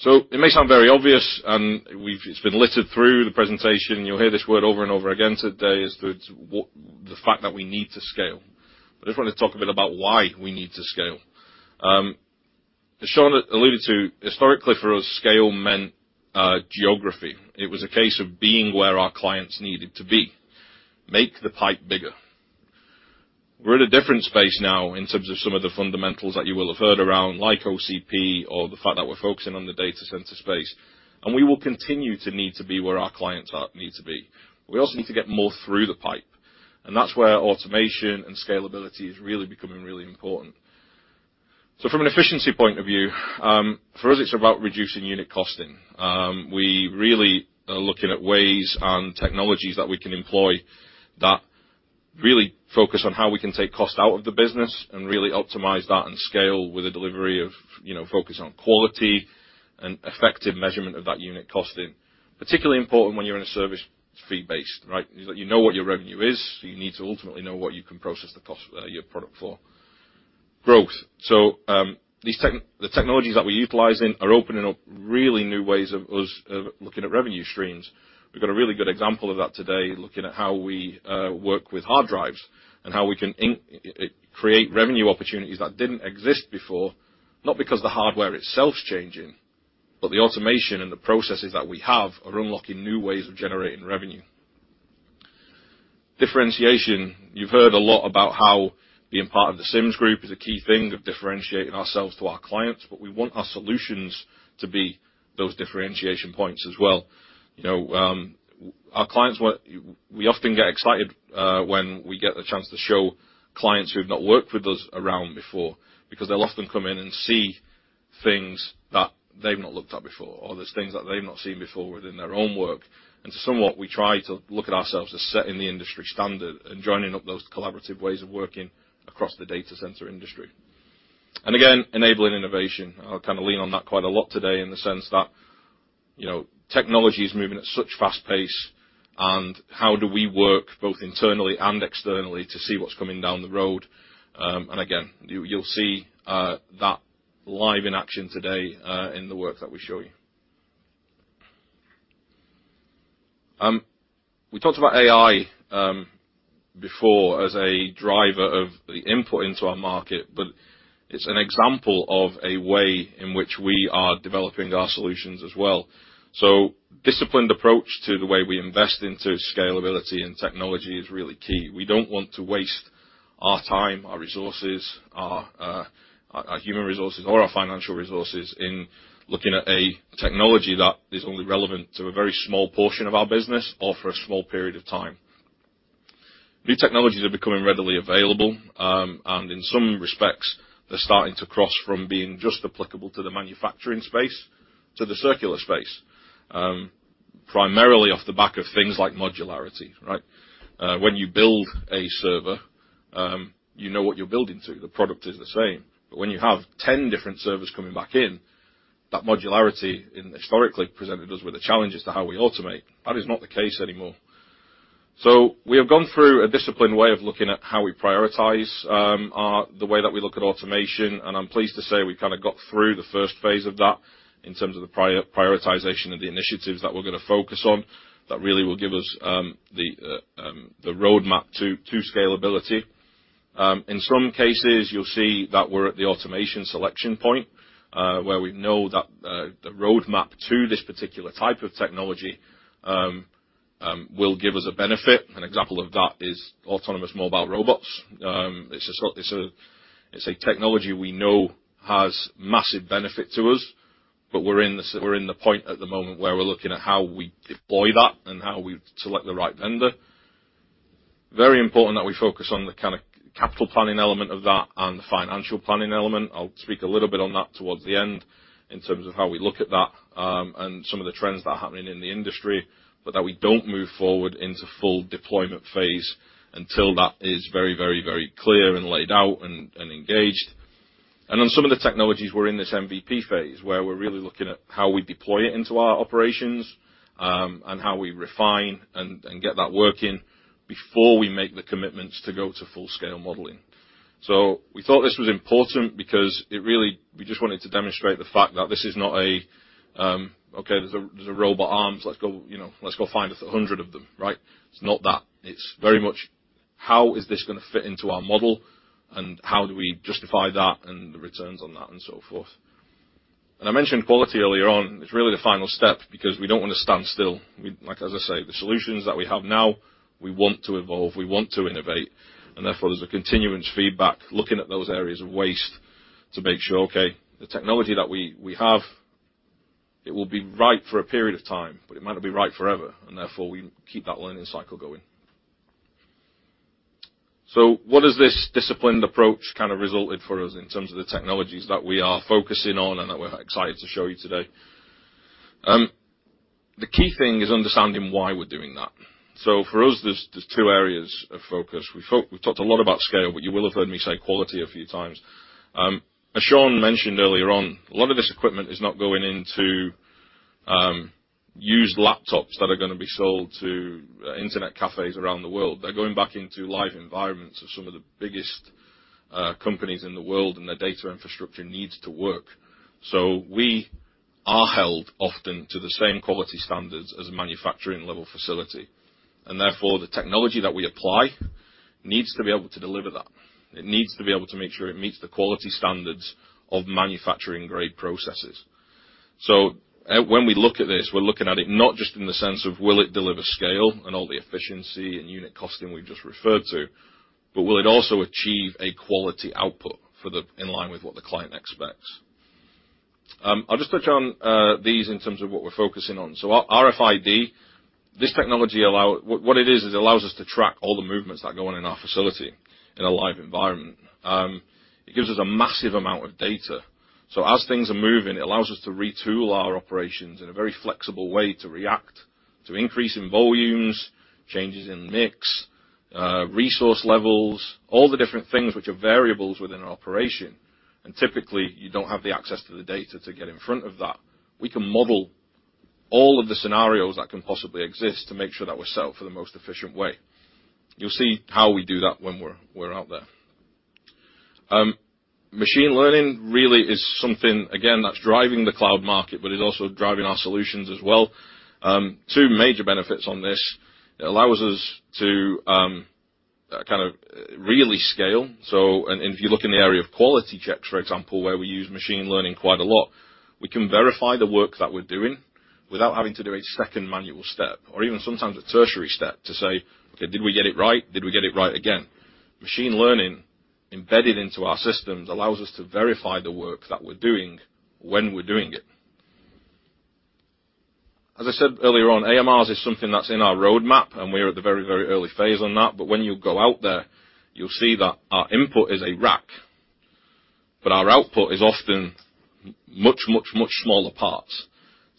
So it may sound very obvious, and we've, it's been littered through the presentation, you'll hear this word over and over again today, is the fact that we need to scale. I just want to talk a bit about why we need to scale. As Sean alluded to, historically, for us, scale meant geography. It was a case of being where our clients needed to be. Make the pipe bigger. We're in a different space now in terms of some of the fundamentals that you will have heard around, like OCP or the fact that we're focusing on the data center space, and we will continue to need to be where our clients are, need to be. We also need to get more through the pipe, and that's where automation and scalability is really becoming really important. So from an efficiency point of view, for us, it's about reducing unit costing. We really are looking at ways and technologies that we can employ that really focus on how we can take cost out of the business and really optimize that and scale with the delivery of, you know, focus on quality and effective measurement of that unit costing. Particularly important when you're in a service fee-based, right? You know what your revenue is, so you need to ultimately know what you can process the cost, your product for. Growth. So, the technologies that we're utilizing are opening up really new ways of us, of looking at revenue streams. We've got a really good example of that today, looking at how we work with hard drives and how we can create revenue opportunities that didn't exist before, not because the hardware itself is changing, but the automation and the processes that we have are unlocking new ways of generating revenue. Differentiation. You've heard a lot about how being part of the Sims Group is a key thing of differentiating ourselves to our clients, but we want our solutions to be those differentiation points as well. You know, our clients we often get excited when we get the chance to show clients who have not worked with us around before, because they'll often come in and see things that they've not looked at before, or there's things that they've not seen before within their own work. Somewhat, we try to look at ourselves as setting the industry standard and joining up those collaborative ways of working across the data center industry. And again, enabling innovation. I'll kind of lean on that quite a lot today in the sense that, you know, technology is moving at such fast pace, and how do we work both internally and externally to see what's coming down the road? And again, you'll see that live in action today, in the work that we show you. We talked about AI before as a driver of the input into our market, but it's an example of a way in which we are developing our solutions as well. So disciplined approach to the way we invest into scalability and technology is really key. We don't want to waste our time, our resources, our, our human resources or our financial resources in looking at a technology that is only relevant to a very small portion of our business or for a small period of time. New technologies are becoming readily available, and in some respects, they're starting to cross from being just applicable to the manufacturing space, to the circular space, primarily off the back of things like modularity, right? When you build a server, you know what you're building to, the product is the same. But when you have 10 different servers coming back in, that modularity has historically presented us with a challenge as to how we automate. That is not the case anymore. So we have gone through a disciplined way of looking at how we prioritize our the way that we look at automation, and I'm pleased to say we kind of got through the first phase of that in terms of the prioritization of the initiatives that we're gonna focus on that really will give us the roadmap to scalability. In some cases, you'll see that we're at the automation selection point where we know that the roadmap to this particular type of technology will give us a benefit. An example of that is autonomous mobile robots. It's a technology we know has massive benefit to us, but we're in the point at the moment where we're looking at how we deploy that and how we select the right vendor. Very important that we focus on the kind of capital planning element of that and the financial planning element. I'll speak a little bit on that towards the end in terms of how we look at that, and some of the trends that are happening in the industry, but that we don't move forward into full deployment phase until that is very, very, very clear and laid out and, and engaged. On some of the technologies, we're in this MVP phase, where we're really looking at how we deploy it into our operations, and how we refine and, and get that working before we make the commitments to go to full-scale modeling. So we thought this was important because it really, we just wanted to demonstrate the fact that this is not a, okay, there's robot arms, let's go, you know, let's go find 100 of them, right? It's not that. It's very much, how is this gonna fit into our model? And how do we justify that and the returns on that and so forth. And I mentioned quality earlier on. It's really the final step because we don't want to stand still. Like, as I say, the solutions that we have now, we want to evolve, we want to innovate, and therefore, there's a continuous feedback, looking at those areas of waste to make sure, okay, the technology that we have, it will be right for a period of time, but it might not be right forever, and therefore, we keep that learning cycle going. So what has this disciplined approach kind of resulted for us in terms of the technologies that we are focusing on and that we're excited to show you today? The key thing is understanding why we're doing that. So for us, there's two areas of focus. We've talked a lot about scale, but you will have heard me say quality a few times. As Sean mentioned earlier on, a lot of this equipment is not going into used laptops that are gonna be sold to internet cafes around the world. They're going back into live environments of some of the biggest companies in the world, and their data infrastructure needs to work. So we are held often to the same quality standards as a manufacturing-level facility, and therefore, the technology that we apply needs to be able to deliver that. It needs to be able to make sure it meets the quality standards of manufacturing-grade processes. So, when we look at this, we're looking at it not just in the sense of will it deliver scale and all the efficiency and unit costing we've just referred to, but will it also achieve a quality output for the... in line with what the client expects? I'll just touch on these in terms of what we're focusing on. So RFID, this technology. What it is, is it allows us to track all the movements that are going in our facility in a live environment. It gives us a massive amount of data. So as things are moving, it allows us to retool our operations in a very flexible way to react to increase in volumes, changes in mix, resource levels, all the different things which are variables within an operation. And typically, you don't have the access to the data to get in front of that. We can model all of the scenarios that can possibly exist to make sure that we're set up for the most efficient way. You'll see how we do that when we're out there. Machine learning really is something, again, that's driving the cloud market, but is also driving our solutions as well. Two major benefits on this. It allows us to kind of really scale. If you look in the area of quality checks, for example, where we use machine learning quite a lot, we can verify the work that we're doing without having to do a second manual step, or even sometimes a tertiary step, to say, "Okay, did we get it right? Did we get it right again?" Machine learning, embedded into our systems, allows us to verify the work that we're doing when we're doing it. As I said earlier on, AMRs is something that's in our roadmap, and we're at the very, very early phase on that, but when you go out there, you'll see that our input is a rack, but our output is often much, much, much smaller parts.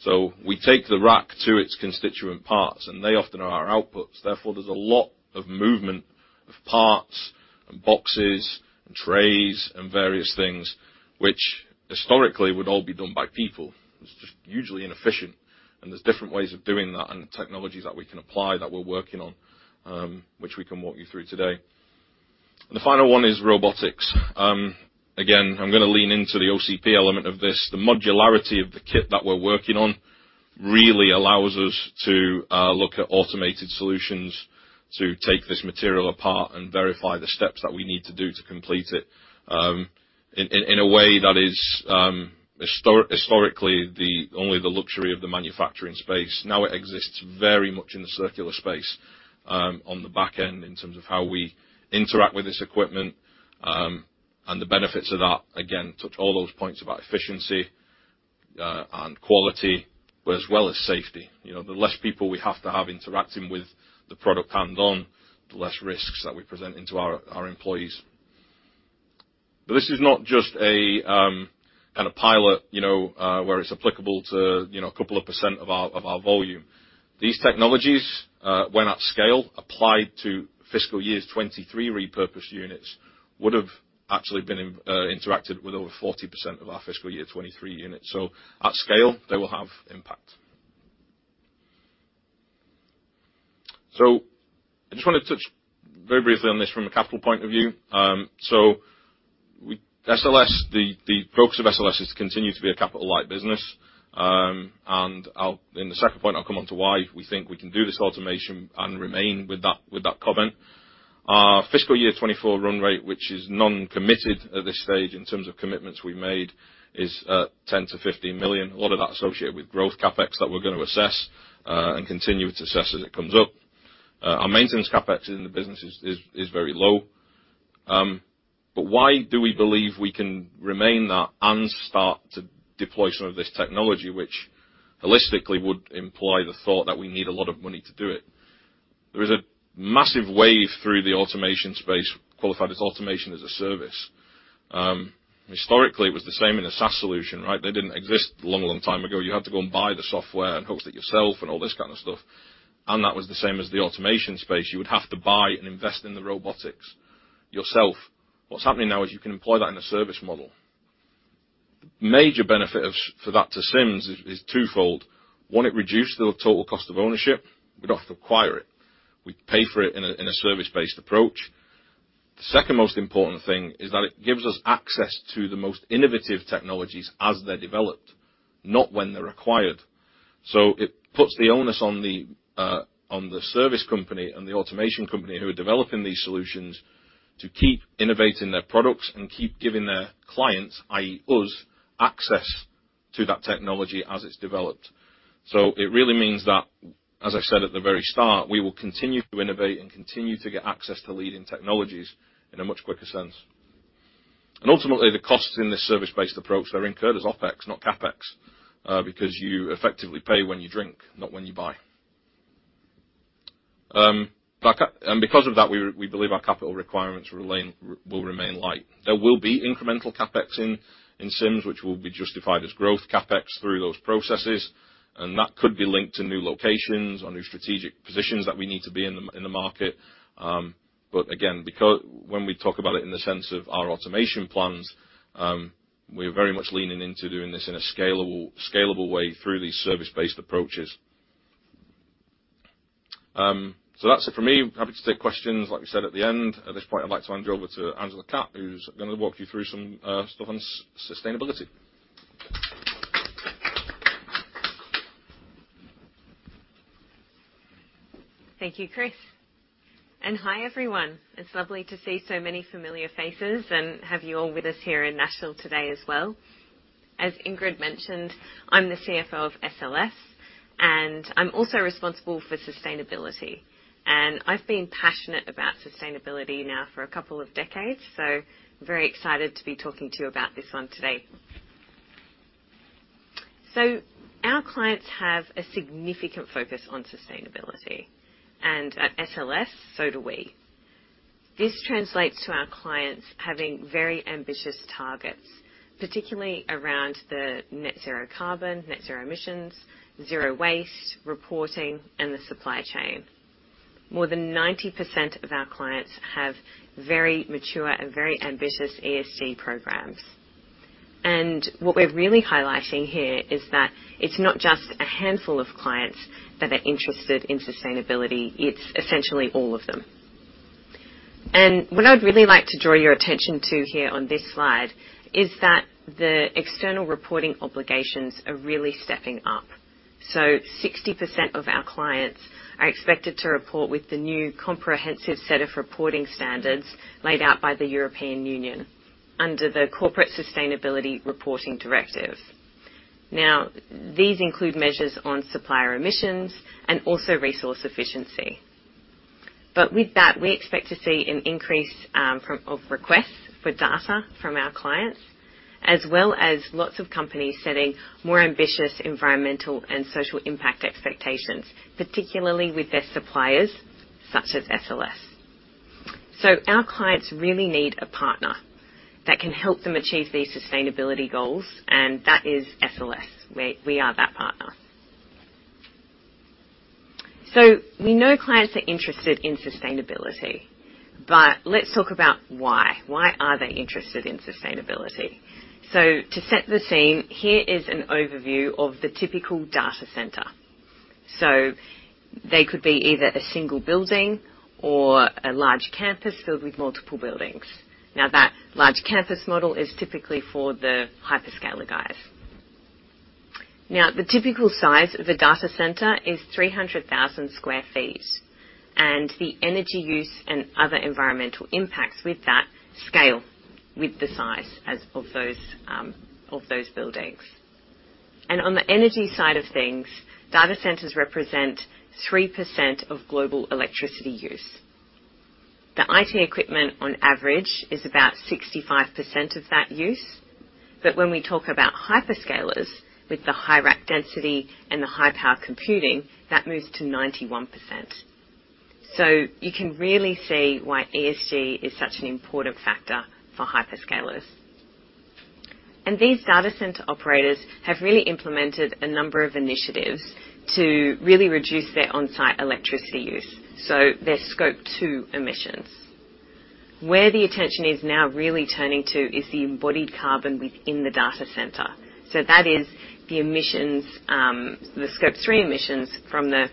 So we take the rack to its constituent parts, and they often are our outputs. Therefore, there's a lot of movement of parts and boxes and trays and various things, which historically would all be done by people. It's just usually inefficient, and there's different ways of doing that and the technologies that we can apply, that we're working on, which we can walk you through today. The final one is robotics. Again, I'm gonna lean into the OCP element of this. The modularity of the kit that we're working on really allows us to look at automated solutions to take this material apart and verify the steps that we need to do to complete it, in a way that is historically the only the luxury of the manufacturing space. Now, it exists very much in the circular space, on the back end, in terms of how we interact with this equipment, and the benefits of that, again, touch all those points about efficiency and quality, but as well as safety. You know, the less people we have to have interacting with the product hands on, the less risks that we present into our employees. But this is not just a kind of pilot, you know, where it's applicable to, you know, a couple of percent of our, of our volume. These technologies, when at scale, applied to fiscal year 2023 repurposed units, would have actually interacted with over 40% of our fiscal year 2023 units. So at scale, they will have impact. So I just wanted to touch very briefly on this from a capital point of view. So we, SLS, the focus of SLS is to continue to be a capital-light business, and I'll, in the second point, I'll come on to why we think we can do this automation and remain with that, with that comment. Our fiscal year 2024 run rate, which is non-committed at this stage in terms of commitments we made, is at 10-15 million. A lot of that associated with growth CapEx that we're going to assess, and continue to assess as it comes up. Our maintenance CapEx in the business is very low. But why do we believe we can remain that and start to deploy some of this technology, which holistically would imply the thought that we need a lot of money to do it? There is a massive wave through the automation space, qualified as automation as a service. Historically, it was the same in a SaaS solution, right? They didn't exist a long, long time ago. You had to go and buy the software and host it yourself and all this kind of stuff, and that was the same as the automation space. You would have to buy and invest in the robotics yourself. What's happening now is you can employ that in a service model. Major benefit of for that to Sims is, is twofold. One, it reduced the total cost of ownership. We don't have to acquire it. We pay for it in a, in a service-based approach. The second most important thing is that it gives us access to the most innovative technologies as they're developed, not when they're acquired. So it puts the onus on the, on the service company and the automation company who are developing these solutions to keep innovating their products and keep giving their clients, i.e., us, access to that technology as it's developed. So it really means that, as I said at the very start, we will continue to innovate and continue to get access to leading technologies in a much quicker sense. Ultimately, the costs in this service-based approach are incurred as OpEx, not CapEx, because you effectively pay when you drink, not when you buy. But and because of that, we believe our capital requirements will remain light. There will be incremental CapEx in Sims, which will be justified as growth CapEx through those processes, and that could be linked to new locations or new strategic positions that we need to be in the market. But again, because when we talk about it in the sense of our automation plans, we're very much leaning into doing this in a scalable, scalable way through these service-based approaches. So that's it for me. Happy to take questions, like we said at the end. At this point, I'd like to hand you over to Angela Catt, who's gonna walk you through some stuff on sustainability. Thank you, Chris. And hi, everyone. It's lovely to see so many familiar faces and have you all with us here in Nashville today as well. As Ingrid mentioned, I'm the CFO of SLS, and I'm also responsible for sustainability. And I've been passionate about sustainability now for a couple of decades, so very excited to be talking to you about this one today. So our clients have a significant focus on sustainability, and at SLS, so do we. This translates to our clients having very ambitious targets, particularly around the net zero carbon, net zero emissions, zero waste, reporting, and the supply chain. More than 90% of our clients have very mature and very ambitious ESG programs. And what we're really highlighting here is that it's not just a handful of clients that are interested in sustainability, it's essentially all of them. What I'd really like to draw your attention to here on this slide is that the external reporting obligations are really stepping up. So 60% of our clients are expected to report with the new comprehensive set of reporting standards laid out by the European Union under the Corporate Sustainability Reporting Directive. Now, these include measures on supplier emissions and also resource efficiency. But with that, we expect to see an increase of requests for data from our clients, as well as lots of companies setting more ambitious environmental and social impact expectations, particularly with their suppliers, such as SLS. So our clients really need a partner that can help them achieve these sustainability goals, and that is SLS. We, we are that partner. So we know clients are interested in sustainability, but let's talk about why. Why are they interested in sustainability? So to set the scene, here is an overview of the typical data center. So they could be either a single building or a large campus filled with multiple buildings. Now, that large campus model is typically for the hyperscaler guys. Now, the typical size of a data center is 300,000 sq ft, and the energy use and other environmental impacts with that scale, with the size as of those, of those buildings. And on the energy side of things, data centers represent 3% of global electricity use. The IT equipment, on average, is about 65% of that use. But when we talk about hyperscalers, with the high rack density and the high power computing, that moves to 91%. So you can really see why ESG is such an important factor for hyperscalers. These data center operators have really implemented a number of initiatives to really reduce their on-site electricity use, so their Scope 2 emissions. Where the attention is now really turning to is the embodied carbon within the data center. That is the emissions, the Scope 3 emissions from the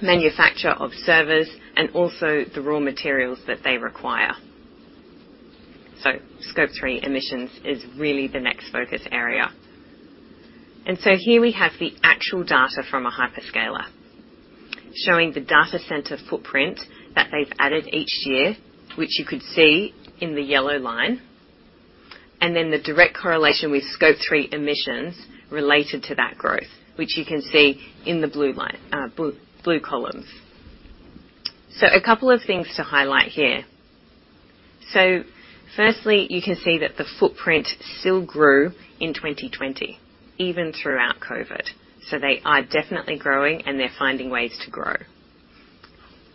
manufacture of servers and also the raw materials that they require. Scope 3 emissions is really the next focus area. Here we have the actual data from a hyperscaler, showing the data center footprint that they've added each year, which you could see in the yellow line, and then the direct correlation with Scope 3 emissions related to that growth, which you can see in the blue line, blue columns. So a couple of things to highlight here. So firstly, you can see that the footprint still grew in 2020, even throughout COVID. So they are definitely growing, and they're finding ways to grow.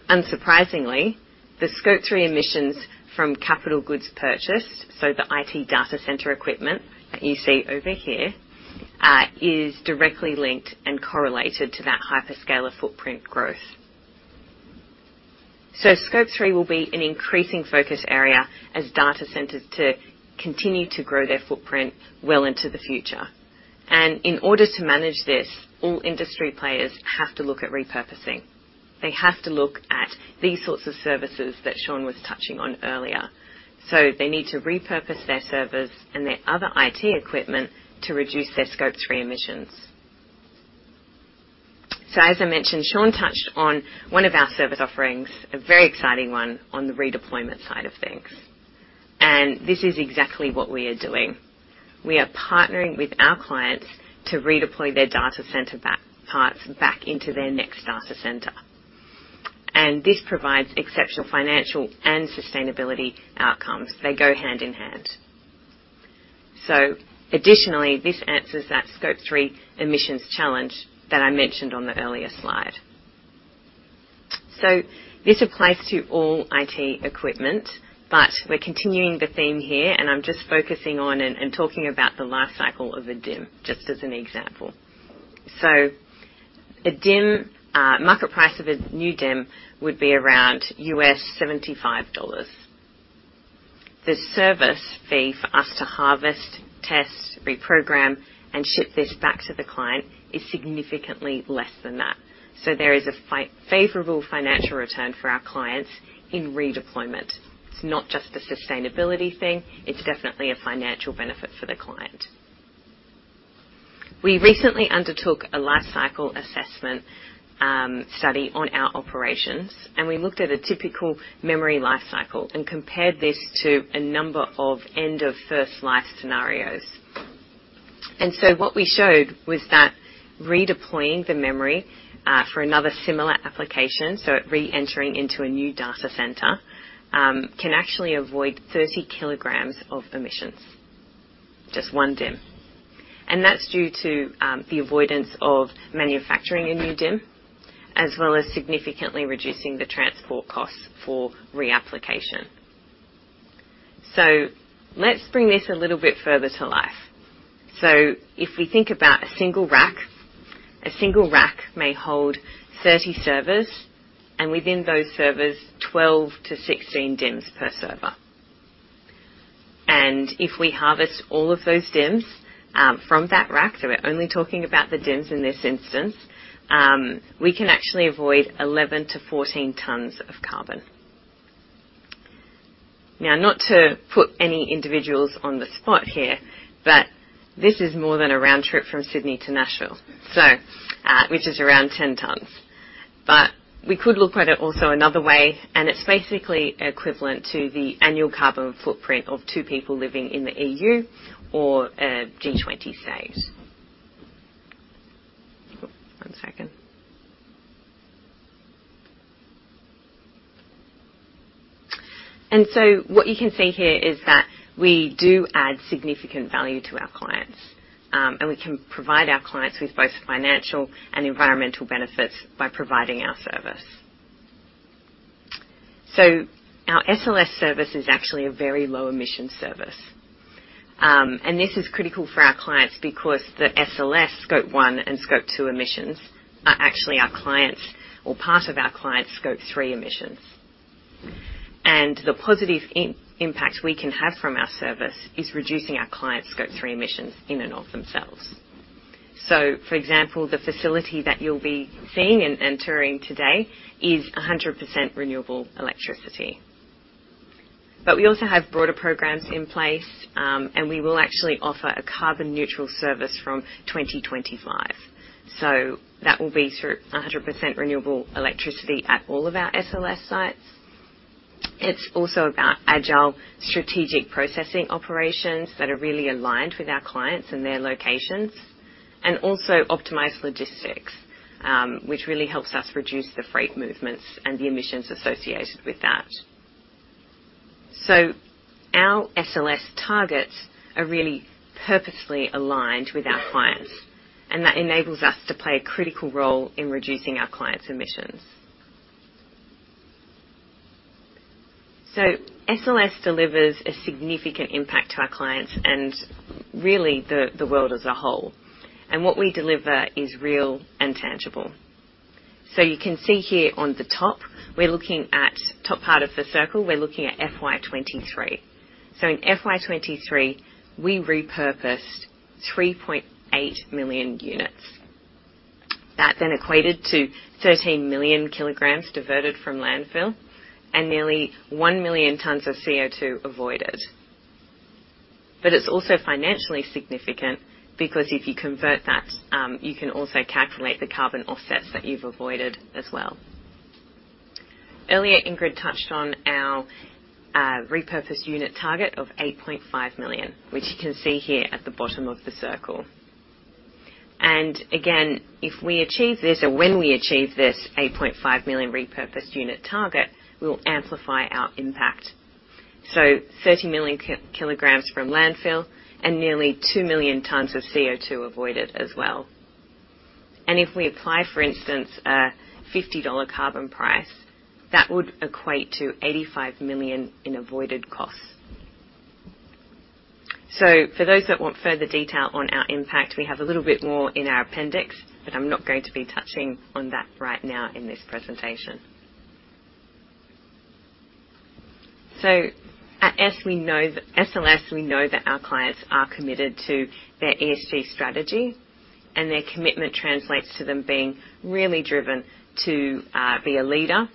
Unsurprisingly, the Scope 3 emissions from capital goods purchased, so the IT data center equipment that you see over here, is directly linked and correlated to that hyperscaler footprint growth. So Scope 3 will be an increasing focus area as data centers to continue to grow their footprint well into the future. And in order to manage this, all industry players have to look at repurposing. They have to look at these sorts of services that Sean was touching on earlier. So they need to repurpose their servers and their other IT equipment to reduce their Scope 3 emissions. So, as I mentioned, Sean touched on one of our service offerings, a very exciting one, on the redeployment side of things. This is exactly what we are doing. We are partnering with our clients to redeploy their data center rack parts back into their next data center. This provides exceptional financial and sustainability outcomes. They go hand in hand... Additionally, this answers that Scope 3 emissions challenge that I mentioned on the earlier slide. This applies to all IT equipment, but we're continuing the theme here, and I'm just focusing on and talking about the life cycle of a DIMM, just as an example. A DIMM, market price of a new DIMM would be around $75. The service fee for us to harvest, test, reprogram, and ship this back to the client is significantly less than that. There is a favorable financial return for our clients in redeployment. It's not just a sustainability thing, it's definitely a financial benefit for the client. We recently undertook a life cycle assessment study on our operations, and we looked at a typical memory life cycle and compared this to a number of end of first life scenarios. And so what we showed was that redeploying the memory for another similar application, so re-entering into a new data center, can actually avoid 30 kilograms of emissions, just one DIMM. And that's due to the avoidance of manufacturing a new DIMM, as well as significantly reducing the transport costs for reapplication. So let's bring this a little bit further to life. So if we think about a single rack, a single rack may hold 30 servers, and within those servers, 12-16 DIMMs per server. If we harvest all of those DIMMs from that rack, so we're only talking about the DIMMs in this instance, we can actually avoid 11-14 tons of carbon. Now, not to put any individuals on the spot here, but this is more than a round trip from Sydney to Nashville, so, which is around 10 tons. We could look at it also another way, and it's basically equivalent to the annual carbon footprint of two people living in the EU or G20 states. One second. What you can see here is that we do add significant value to our clients, and we can provide our clients with both financial and environmental benefits by providing our service. So our SLS service is actually a very low emission service. And this is critical for our clients because the SLS Scope 1 and Scope 2 emissions are actually our clients', or part of our clients' Scope 3 emissions. The positive impact we can have from our service is reducing our clients' Scope 3 emissions in and of themselves. So for example, the facility that you'll be seeing and touring today is 100% renewable electricity. But we also have broader programs in place, and we will actually offer a carbon neutral service from 2025. So that will be through 100% renewable electricity at all of our SLS sites. It's also about agile, strategic processing operations that are really aligned with our clients and their locations, and also optimized logistics, which really helps us reduce the freight movements and the emissions associated with that. So our SLS targets are really purposefully aligned with our clients, and that enables us to play a critical role in reducing our clients' emissions. So SLS delivers a significant impact to our clients and really, the world as a whole. And what we deliver is real and tangible. So you can see here on the top, we're looking at top part of the circle, we're looking at FY 2023. So in FY 2023, we repurposed 3.8 million units. That then equated to 13 million kilograms diverted from landfill and nearly 1 million tons of CO2 avoided. But it's also financially significant because if you convert that, you can also calculate the carbon offsets that you've avoided as well. Earlier, Ingrid touched on our repurposed unit target of 8.5 million, which you can see here at the bottom of the circle. And again, if we achieve this, or when we achieve this 8.5 million repurposed unit target, we will amplify our impact. So 13 million kilograms from landfill and nearly 2 million tons of CO2 avoided as well. And if we apply, for instance, a $50 carbon price, that would equate to $85 million in avoided costs. So for those that want further detail on our impact, we have a little bit more in our appendix, but I'm not going to be touching on that right now in this presentation. So at SLS, we know that our clients are committed to their ESG strategy, and their commitment translates to them being really driven to be a leader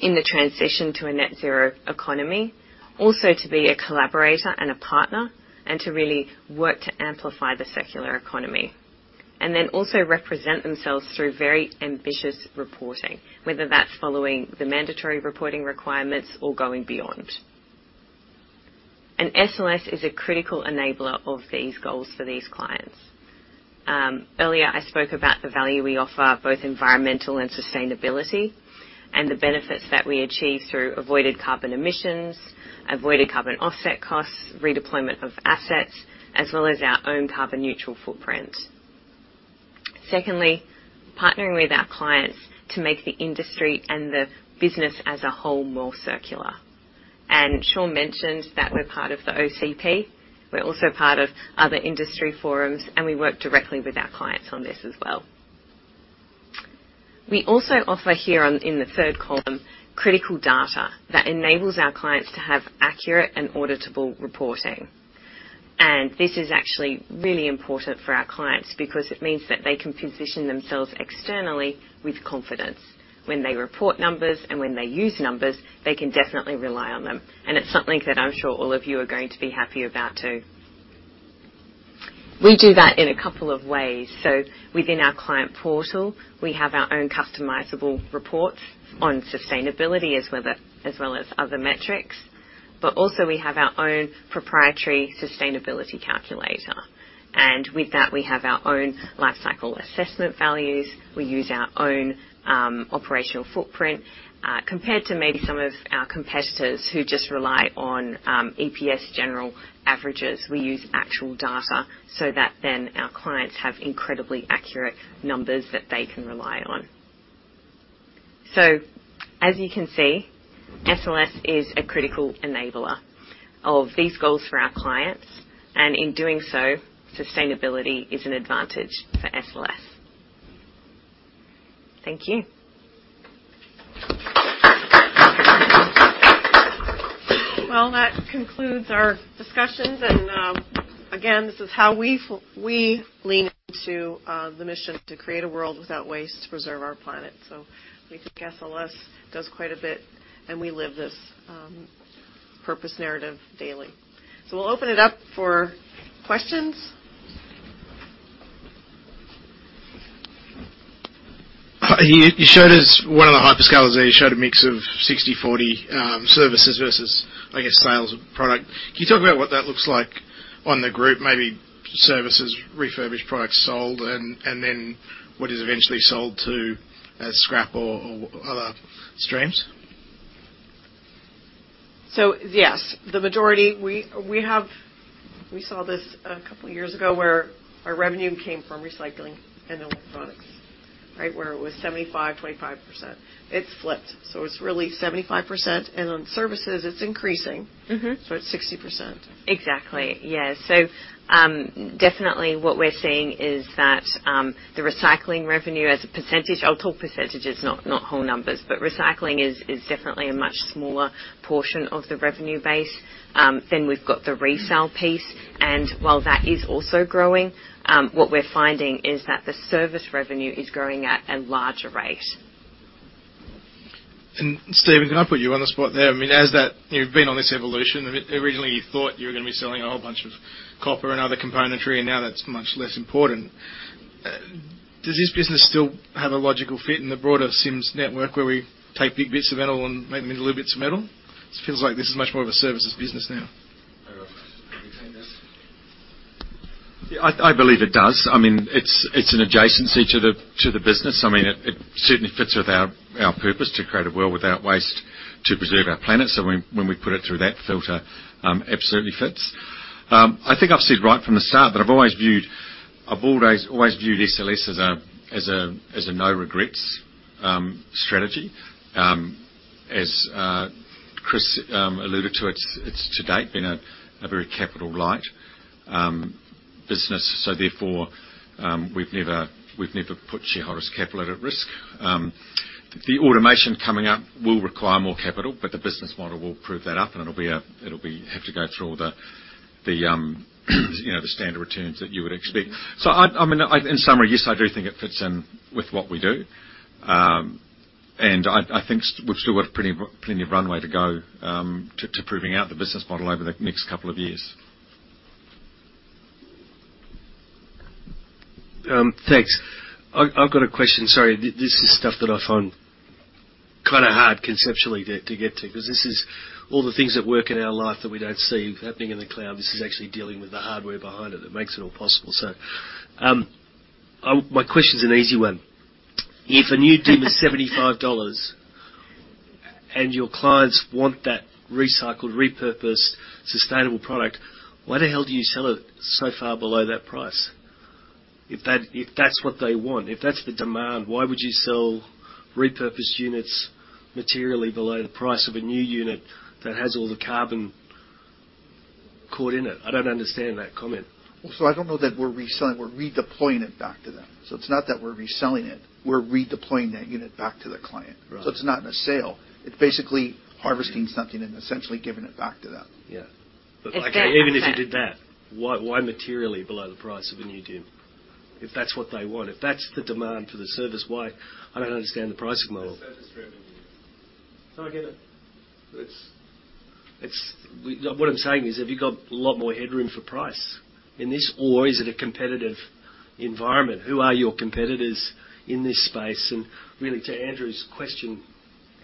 in the transition to a net zero economy. Also, to be a collaborator and a partner, and to really work to amplify the circular economy. And then also represent themselves through very ambitious reporting, whether that's following the mandatory reporting requirements or going beyond. SLS is a critical enabler of these goals for these clients.... Earlier, I spoke about the value we offer, both environmental and sustainability, and the benefits that we achieve through avoided carbon emissions, avoided carbon offset costs, redeployment of assets, as well as our own carbon neutral footprint. Secondly, partnering with our clients to make the industry and the business as a whole more circular. Sean mentioned that we're part of the OCP. We're also part of other industry forums, and we work directly with our clients on this as well. We also offer here on, in the third column, critical data that enables our clients to have accurate and auditable reporting. This is actually really important for our clients because it means that they can position themselves externally with confidence. When they report numbers and when they use numbers, they can definitely rely on them, and it's something that I'm sure all of you are going to be happy about, too. We do that in a couple of ways. Within our client portal, we have our own customizable reports on sustainability as well as, as well as other metrics, but also we have our own proprietary sustainability calculator. With that, we have our own life cycle assessment values. We use our own operational footprint. Compared to maybe some of our competitors who just rely on EPS general averages, we use actual data so that then our clients have incredibly accurate numbers that they can rely on. As you can see, SLS is a critical enabler of these goals for our clients, and in doing so, sustainability is an advantage for SLS. Thank you. Well, that concludes our discussions. And, again, this is how we lean into the mission to create a world without waste to preserve our planet. So we think SLS does quite a bit, and we live this purpose narrative daily. So we'll open it up for questions. H`i. You showed us one of the hyperscalers, and you showed a mix of 60/40, services versus, I guess, sales of product. Can you talk about what that looks like on the group? Maybe services, refurbished products sold, and then what is eventually sold as scrap or other streams? So, yes, the majority. We have. We saw this a couple of years ago where our revenue came from recycling and electronics, right? Where it was 75%-25%. It's flipped, so it's really 75% on services, and it's increasing. It's 60%. Exactly, yes. So, definitely what we're seeing is that, the recycling revenue as a percentage... I'll talk percentages, not, not whole numbers, but recycling is, is definitely a much smaller portion of the revenue base. Then we've got the resale piece, and while that is also growing, what we're finding is that the service revenue is growing at a larger rate. Stephen, can I put you on the spot there? I mean, as that, you've been on this evolution, I mean, originally, you thought you were going to be selling a whole bunch of copper and other componentry, and now that's much less important. Does this business still have a logical fit in the broader Sims network, where we take big bits of metal and make them into little bits of metal? It feels like this is much more of a services business now. I believe it does. I mean, it's an adjacency to the business. I mean, it certainly fits with our purpose to create a world without waste, to preserve our planet. So when we put it through that filter, absolutely fits. I think I've said right from the start that I've always viewed—I've always viewed SLS as a no regrets strategy. As Chris alluded to it, it's to date been a very capital-light business. So therefore, we've never put shareholders' capital at risk. The automation coming up will require more capital, but the business model will prove that up, and it'll be—it'll be... Have to go through all the, you know, the standard returns that you would expect. So, I mean, in summary, yes, I do think it fits in with what we do. And I think we've still got plenty of runway to go to proving out the business model over the next couple of years. Thanks. I've got a question. Sorry, this is stuff that I find kind of hard conceptually to get to, 'cause this is all the things that work in our life that we don't see happening in the cloud. This is actually dealing with the hardware behind it that makes it all possible. My question's an easy one. If a new DIMM is $75, and your clients want that recycled, repurposed, sustainable product, why the hell do you sell it so far below that price? If that's what they want, if that's the demand, why would you sell repurposed units materially below the price of a new unit that has all the carbon caught in it? I don't understand that comment. Well, so I don't know that we're reselling. We're redeploying it back to them. So it's not that we're reselling it, we're redeploying that unit back to the client. Right. It's not in a sale. It's basically harvesting something and essentially giving it back to them. Exactly. But, okay, even if you did that, why, why materially below the price of a new DIMM? If that's what they want, if that's the demand for the service, why? I don't understand the pricing model. Service revenue. No, I get it. It's-- What I'm saying is, have you got a lot more headroom for price in this, or is it a competitive environment? Who are your competitors in this space? And really, to Andrew's question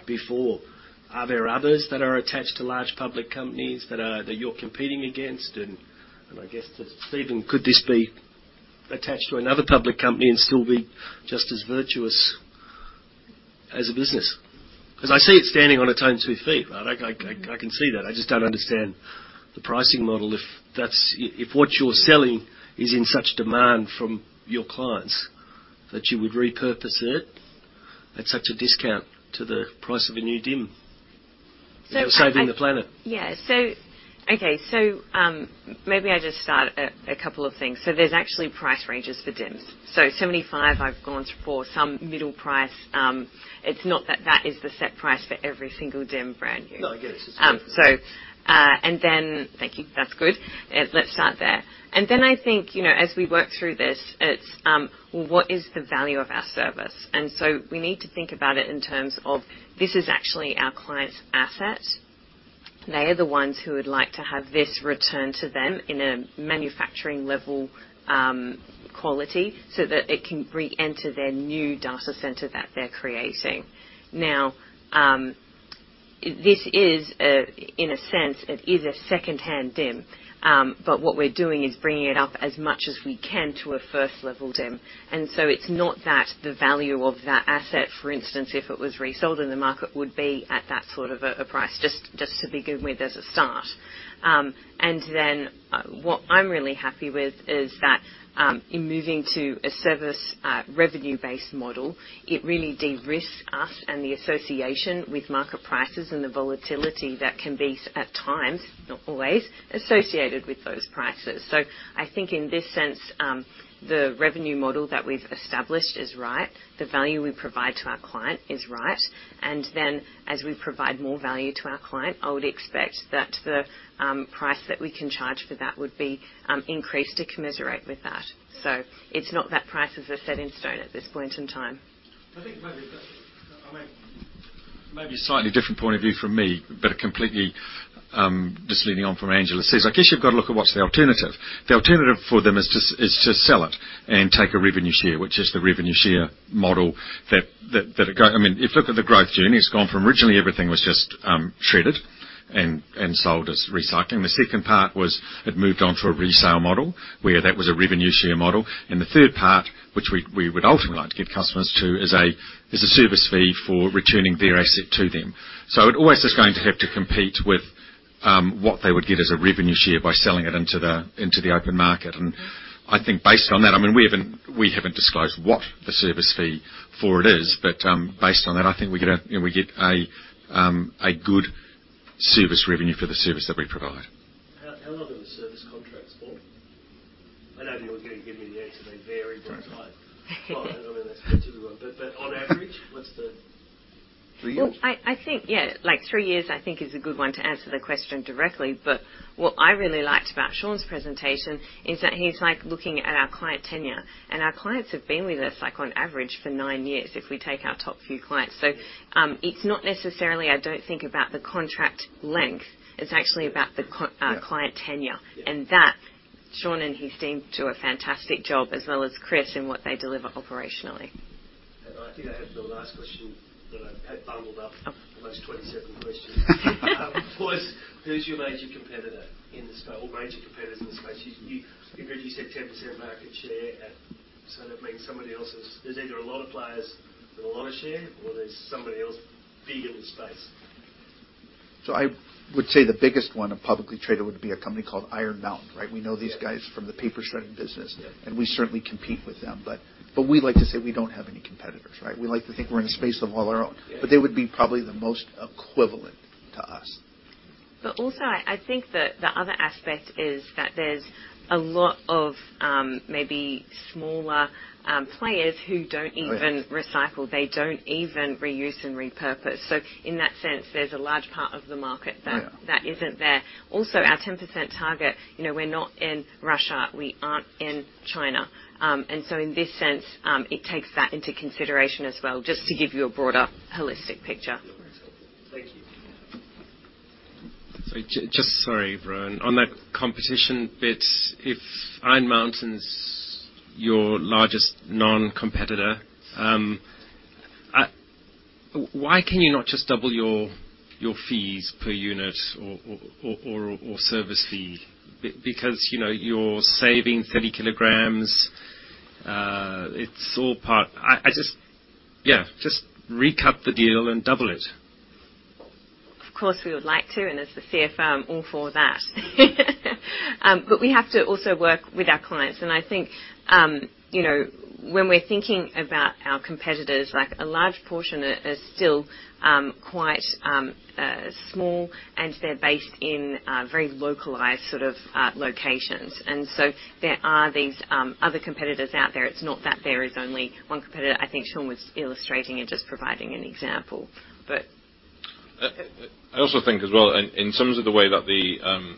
before. Are there others that are attached to large public companies that you're competing against? And I guess to Stephen, could this be attached to another public company and still be just as virtuous as a business? Because I see it standing on its own two feet, right? I can see that. I just don't understand the pricing model, if that's-- if what you're selling is in such demand from your clients, that you would repurpose it at such a discount to the price of a new DIM. You're saving the planet. Yeah. So okay, maybe I just start a couple of things. So there's actually price ranges for DIMMs. So 75, I've gone for some middle price. It's not that that is the set price for every single DIMM brand new. No, I get it. So, and then... Thank you. That's good. Let's start there. And then, I think, you know, as we work through this, it's what is the value of our service? And so we need to think about it in terms of this is actually our client's asset. They are the ones who would like to have this returned to them in a manufacturing level quality, so that it can re-enter their new data center that they're creating. Now, this is, in a sense, it is a secondhand DIMM, but what we're doing is bringing it up as much as we can to a first-level DIMM. And so it's not that the value of that asset, for instance, if it was resold in the market, would be at that sort of a price, just to begin with as a start. And then, what I'm really happy with is that, in moving to a service, revenue-based model, it really de-risks us and the association with market prices and the volatility that can be, at times, not always, associated with those prices. So I think in this sense, the revenue model that we've established is right. The value we provide to our client is right. And then, as we provide more value to our client, I would expect that the, price that we can charge for that would be, increased to commensurate with that. So it's not that prices are set in stone at this point in time. I think maybe, I mean, maybe a slightly different point of view from me, but a completely just leading on from what Angela says. I guess you've got to look at what's the alternative. The alternative for them is just to sell it and take a revenue share, which is the revenue share model that I mean, if you look at the growth journey, it's gone from originally, everything was just shredded and sold as recycling. The second part was it moved on to a resale model, where that was a revenue share model. And the third part, which we would ultimately like to get customers to, is a service fee for returning their asset to them. So it always is going to have to compete with what they would get as a revenue share by selling it into the open market. And I think based on that, I mean, we haven't disclosed what the service fee for it is, but based on that, I think we get a, you know, we get a good service revenue for the service that we provide. How long are the service contracts for? I know you were going to give me the answer. They vary very wide but on average, what's the- Three years. Well, I think, yeah, like, three years, I think, is a good one to answer the question directly. But what I really liked about Sean's presentation is that he's, like, looking at our client tenure, and our clients have been with us, like, on average for nine years, if we take our top few clients. So, it's not necessarily, I don't think, about the contract length. It's actually about the client tenure. Yeah And that Sean and his team do a fantastic job, as well as Chris and what they deliver operationally. And I think I have the last question that I've had bungled up. Almost 27 questions. Who's your major competitor in this, or major competitors in this space? You, Ingrid, you said 10% market share at... So that means somebody else is, there's either a lot of players with a lot of share, or there's somebody else big in the space. I would say the biggest one, a publicly traded, would be a company called Iron Mountain, right? We know these guys from the paper shredding business. We certainly compete with them, but we like to say we don't have any competitors, right? We like to think we're in a space of all our own. Yeah. But they would be probably the most equivalent to us. But also, I think that the other aspect is that there's a lot of, maybe smaller, players who don't even recycle. They don't even reuse and repurpose. So in that sense, there's a large part of the market that isn't there. Also, our 10% target, you know, we're not in Russia, we aren't in China. And so in this sense, it takes that into consideration as well, just to give you a broader holistic picture. Thank you. Sorry, Rowan. On that competition bit, if Iron Mountain's your largest non-competitor, why can you not just double your fees per unit or service fee? Because, you know, you're saving 30 kg, it's all part... I just recut the deal and double it. Of course, we would like to, and as the CFO, I'm all for that. But we have to also work with our clients, and I think, you know, when we're thinking about our competitors, like, a large portion are still quite small, and they're based in very localized sort of locations. And so there are these other competitors out there. It's not that there is only one competitor. I think Sean was illustrating and just providing an example, but- I also think as well, in terms of the way that the,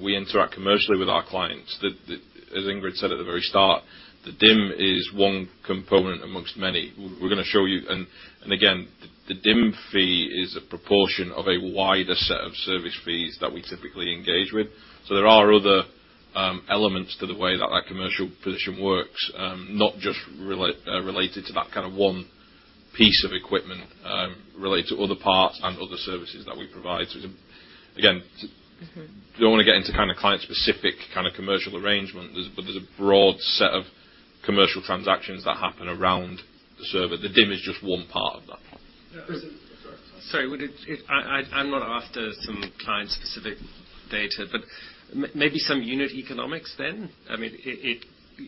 we interact commercially with our clients, the, as Ingrid said at the very start, the DIMM is one component amongst many. We're going to show you... And again, the DIMM fee is a proportion of a wider set of service fees that we typically engage with. So there are other elements to the way that our commercial position works, not just related to that kind of one piece of equipment, related to other parts and other services that we provide to them. Again, you don't want to get into kind of client-specific, kind of commercial arrangement. There's, but there's a broad set of commercial transactions that happen around the server. The DIMM is just one part of that. Chris. Sorry, would it? I'm not after some client-specific data, but maybe some unit economics then? I mean,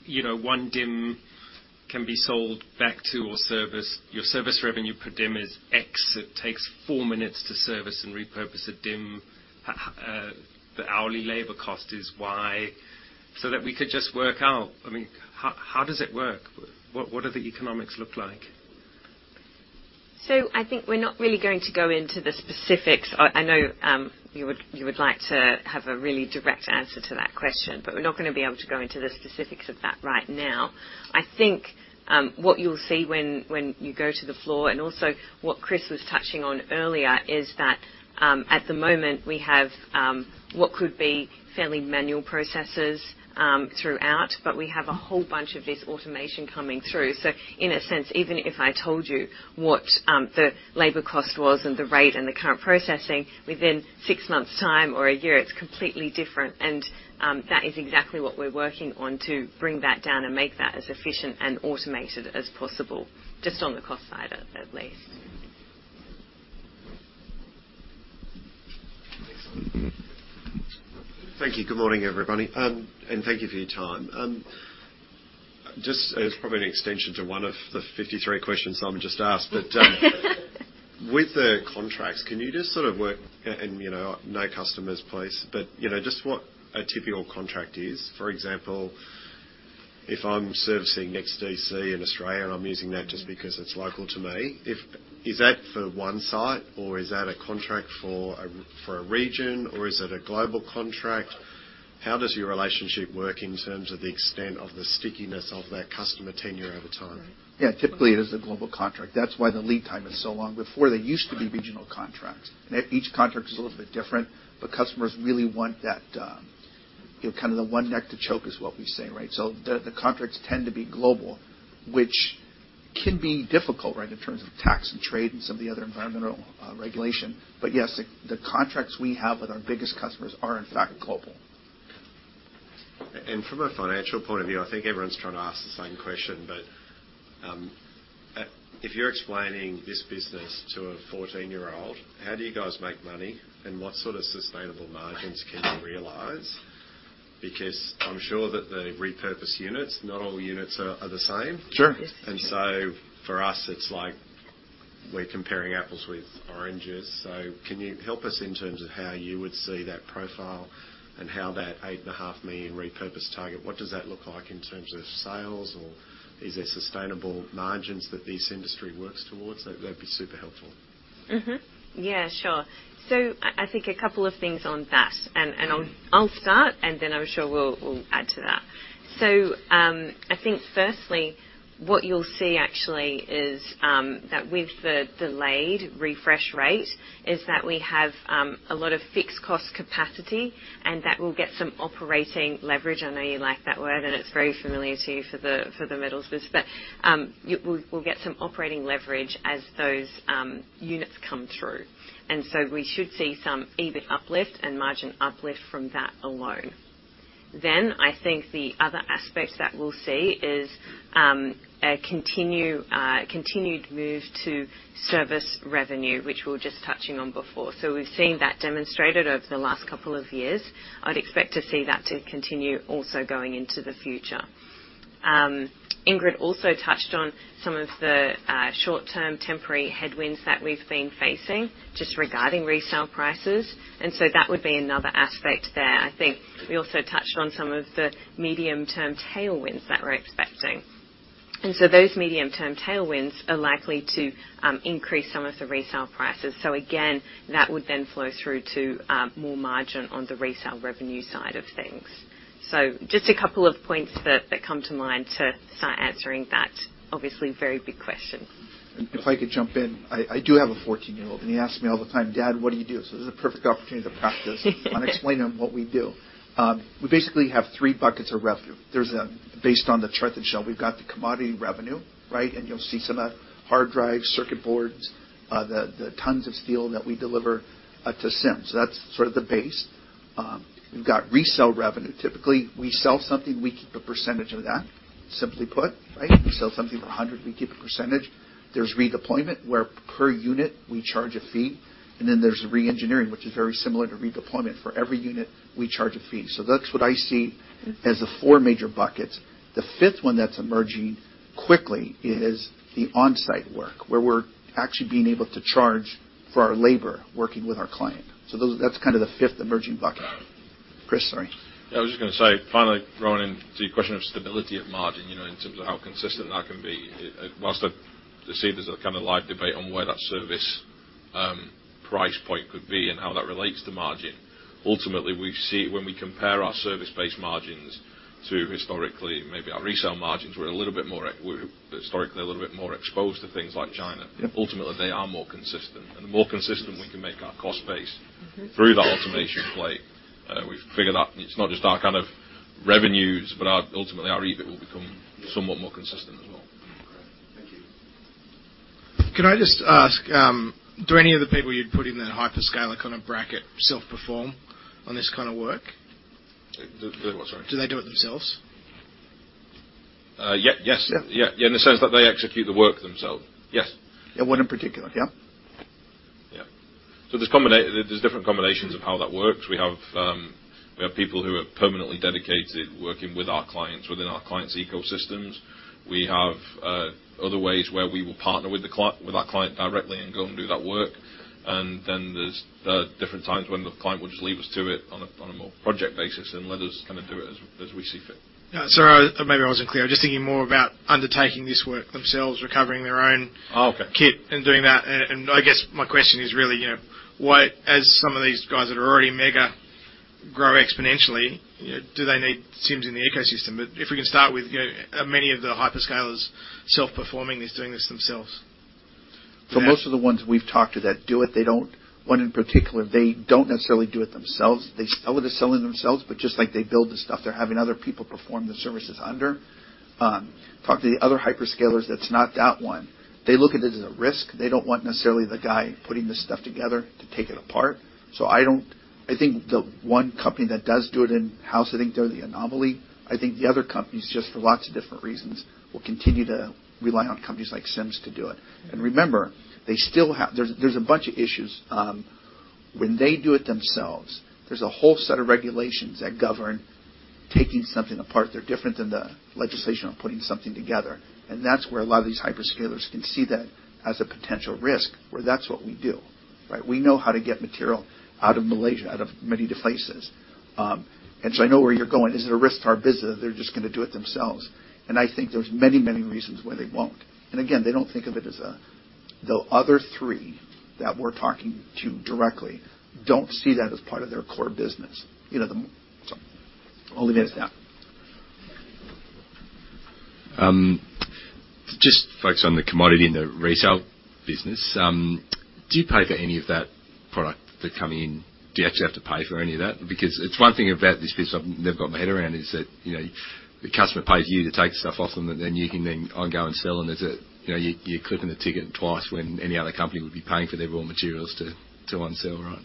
you know, one DIMM can be sold back to your service. Your service revenue per DIMM is X. It takes four minutes to service and repurpose a DIMM. The hourly labor cost is Y, so that we could just work out... I mean, how does it work? What do the economics look like? So I think we're not really going to go into the specifics. I know, you would like to have a really direct answer to that question, but we're not gonna be able to go into the specifics of that right now. I think, what you'll see when you go to the floor, and also what Chris was touching on earlier, is that, at the moment, we have, what could be fairly manual processes, throughout, but we have a whole bunch of this automation coming through. So in a sense, even if I told you what, the labor cost was and the rate and the current processing, within six months' time or a year, it's completely different. That is exactly what we're working on to bring that down and make that as efficient and automated as possible, just on the cost side, at least. Thank you. Good morning, everybody, and thank you for your time. Just as probably an extension to one of the 53 questions someone just asked, but with the contracts, can you just no customers, please, but you know, just what a typical contract is. For example, if I'm servicing NextDC in Australia, and I'm using that just because it's local to me, if- is that for one site, or is that a contract for a, for a region, or is it a global contract? How does your relationship work in terms of the extent of the stickiness of that customer tenure over time? Yeah, typically, it is a global contract. That's why the lead time is so long. Before, they used to be regional contracts. Each contract is a little bit different, but customers really want that, you know, kind of the one neck to choke, is what we say, right? So the, the contracts tend to be global, which can be difficult, right, in terms of tax and trade and some of the other environmental regulation. But yes, the, the contracts we have with our biggest customers are, in fact, global. From a financial point of view, I think everyone's trying to ask the same question, but if you're explaining this business to a 14-year-old, how do you guys make money? And what sort of sustainable margins can you realize? Because I'm sure that the repurposed units, not all units are the same. Sure. Yes. For us, it's like we're comparing apples with oranges. Can you help us in terms of how you would see that profile and how that 8.5 million repurposed target, what does that look like in terms of sales, or is there sustainable margins that this industry works towards? That, that'd be super helpful. Yeah, sure. So I think a couple of things on that, and I'll start, and then I'm sure we'll add to that. So, I think firstly, what you'll see actually is that with the delayed refresh rate, we have a lot of fixed cost capacity, and that will get some operating leverage. I know you like that word, and it's very familiar to you for the metals business. But, we'll get some operating leverage as those units come through, and so we should see some EBIT uplift and margin uplift from that alone. Then, I think the other aspect that we'll see is a continued move to service revenue, which we were just touching on before. So we've seen that demonstrated over the last couple of years. I'd expect to see that to continue also going into the future. Ingrid also touched on some of the short-term temporary headwinds that we've been facing just regarding resale prices, and so that would be another aspect there. I think we also touched on some of the medium-term tailwinds that we're expecting, and so those medium-term tailwinds are likely to increase some of the resale prices. So again, that would then flow through to more margin on the resale revenue side of things. So just a couple of points that come to mind to start answering that, obviously, very big question. If I could jump in. I do have a fourteen-year-old, and he asks me all the time, "Dad, what do you do?" So this is a perfect opportunity to practice on explaining what we do. We basically have three buckets of revenue. There's, based on the chart that showed, we've got the commodity revenue, right? And you'll see some, hard drives, circuit boards, the tons of steel that we deliver to Sims. So that's sort of the base. We've got resale revenue. Typically, we sell something, we keep a percentage of that. Simply put, right? We sell something for $100, we keep a percentage. There's redeployment, where per unit, we charge a fee, and then there's re-engineering, which is very similar to redeployment. For every unit, we charge a fee. So that's what I see. As the four major buckets. The fifth one that's emerging quickly is the on-site work, where we're actually being able to charge for our labor, working with our client. So those... That's kind of the fifth emerging bucket. Chris, sorry. Yeah, I was just gonna say, finally, rolling into your question of stability of margin, you know, in terms of how consistent that can be, while I see there's a kind of live debate on where that service price point could be and how that relates to margin, ultimately, we see when we compare our service-based margins to historically, maybe our resale margins were a little bit more, were historically a little bit more exposed to things like China. Yep. Ultimately, they are more consistent. The more consistent we can make our cost base through that automation play, we've figured out it's not just our kind of revenues, but ultimately, our EBIT will become somewhat more consistent as well. Thank you. Can I just ask, do any of the people you'd put in that hyperscaler kind of bracket self-perform on this kind of work? The what, sorry? Do they do it themselves? Yeah, yes. Yeah, in the sense that they execute the work themselves, yes. Yeah, one in particular, yeah? Yeah. So there's different combinations of how that works. We have people who are permanently dedicated, working with our clients within our clients' ecosystems. We have other ways where we will partner with our client directly and go and do that work. And then there's different times when the client will just leave us to it on a more project basis and let us kinda do it as we see fit. Yeah. Sorry, maybe I wasn't clear. I was just thinking more about undertaking this work themselves, recovering their own kit and doing that. And I guess my question is really, you know, what... As some of these guys that are already mega grow exponentially, you know, do they need Sims in the ecosystem? But if we can start with, you know, many of the hyperscalers self-performing this, doing this themselves. For most of the ones we've talked to that do it, they don't... One in particular, they don't necessarily do it themselves. They sell it as selling themselves, but just like they build the stuff, they're having other people perform the services under. Talk to the other hyperscalers, that's not that one. They look at it as a risk. They don't want necessarily the guy putting this stuff together to take it apart. So I don't think the one company that does do it in-house, I think they're the anomaly. I think the other companies, just for lots of different reasons, will continue to rely on companies like Sims to do it. And remember, they still have. There's a bunch of issues when they do it themselves, there's a whole set of regulations that govern taking something apart. They're different than the legislation on putting something together, and that's where a lot of these hyperscalers can see that as a potential risk, where that's what we do, right? We know how to get material out of Malaysia, out of many different places. And so I know where you're going. Is it a risk to our business, or they're just gonna do it themselves? And I think there's many, many reasons why they won't. And again, they don't think of it as a... The other three that we're talking to directly don't see that as part of their core business. You know, so I'll leave it at that. Just focus on the commodity and the resale business. Do you pay for any of that product that come in? Do you actually have to pay for any of that? Because it's one thing about this business I've never got my head around, is that, you know, the customer pays you to take stuff off them, and then you can then go and sell, and it's a, you know, you're clipping the ticket twice when any other company would be paying for their raw materials to onsell, right?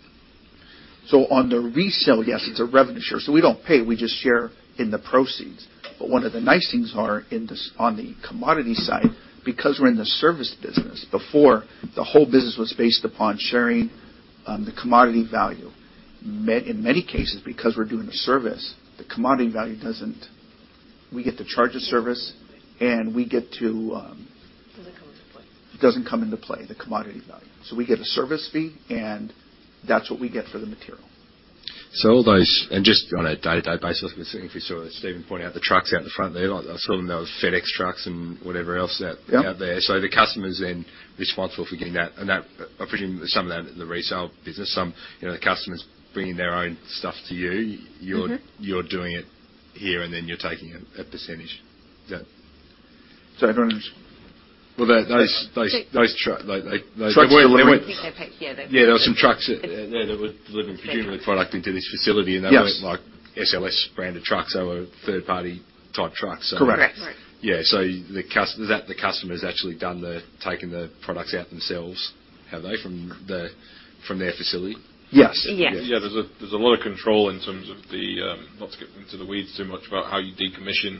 So on the resale, yes, it's a revenue share. So we don't pay, we just share in the proceeds. But one of the nice things are in this, on the commodity side, because we're in the service business, before, the whole business was based upon sharing, the commodity value. In many cases, because we're doing a service, the commodity value doesn't... We get to charge a service, and we get to, Doesn't come into play. Doesn't come into play, the commodity value. So we get a service fee, and that's what we get for the material. So all those, and just on a day-to-day basis, if we saw, as Stephen pointed out, the trucks out in the front there, some of those FedEx trucks and whatever else out- Yep out there. So the customer is then responsible for doing that, and that, I presume, some of that, the resale business, some, you know, the customer's bringing their own stuff to you. You're doing it here, and then you're taking a percentage. Is that- So everyone is- Well, those truck, like, they- Yeah, there were some trucks there that were delivering, presumably, product into this facility. Yes. They weren't like SLS branded trucks. They were third-party type trucks, so. Correct. Correct. Yeah. So, is that the customer has actually taken the products out themselves, have they, from their facility? Yes. Yes. Yeah, there's a lot of control in terms of the... Not to get into the weeds too much about how you decommission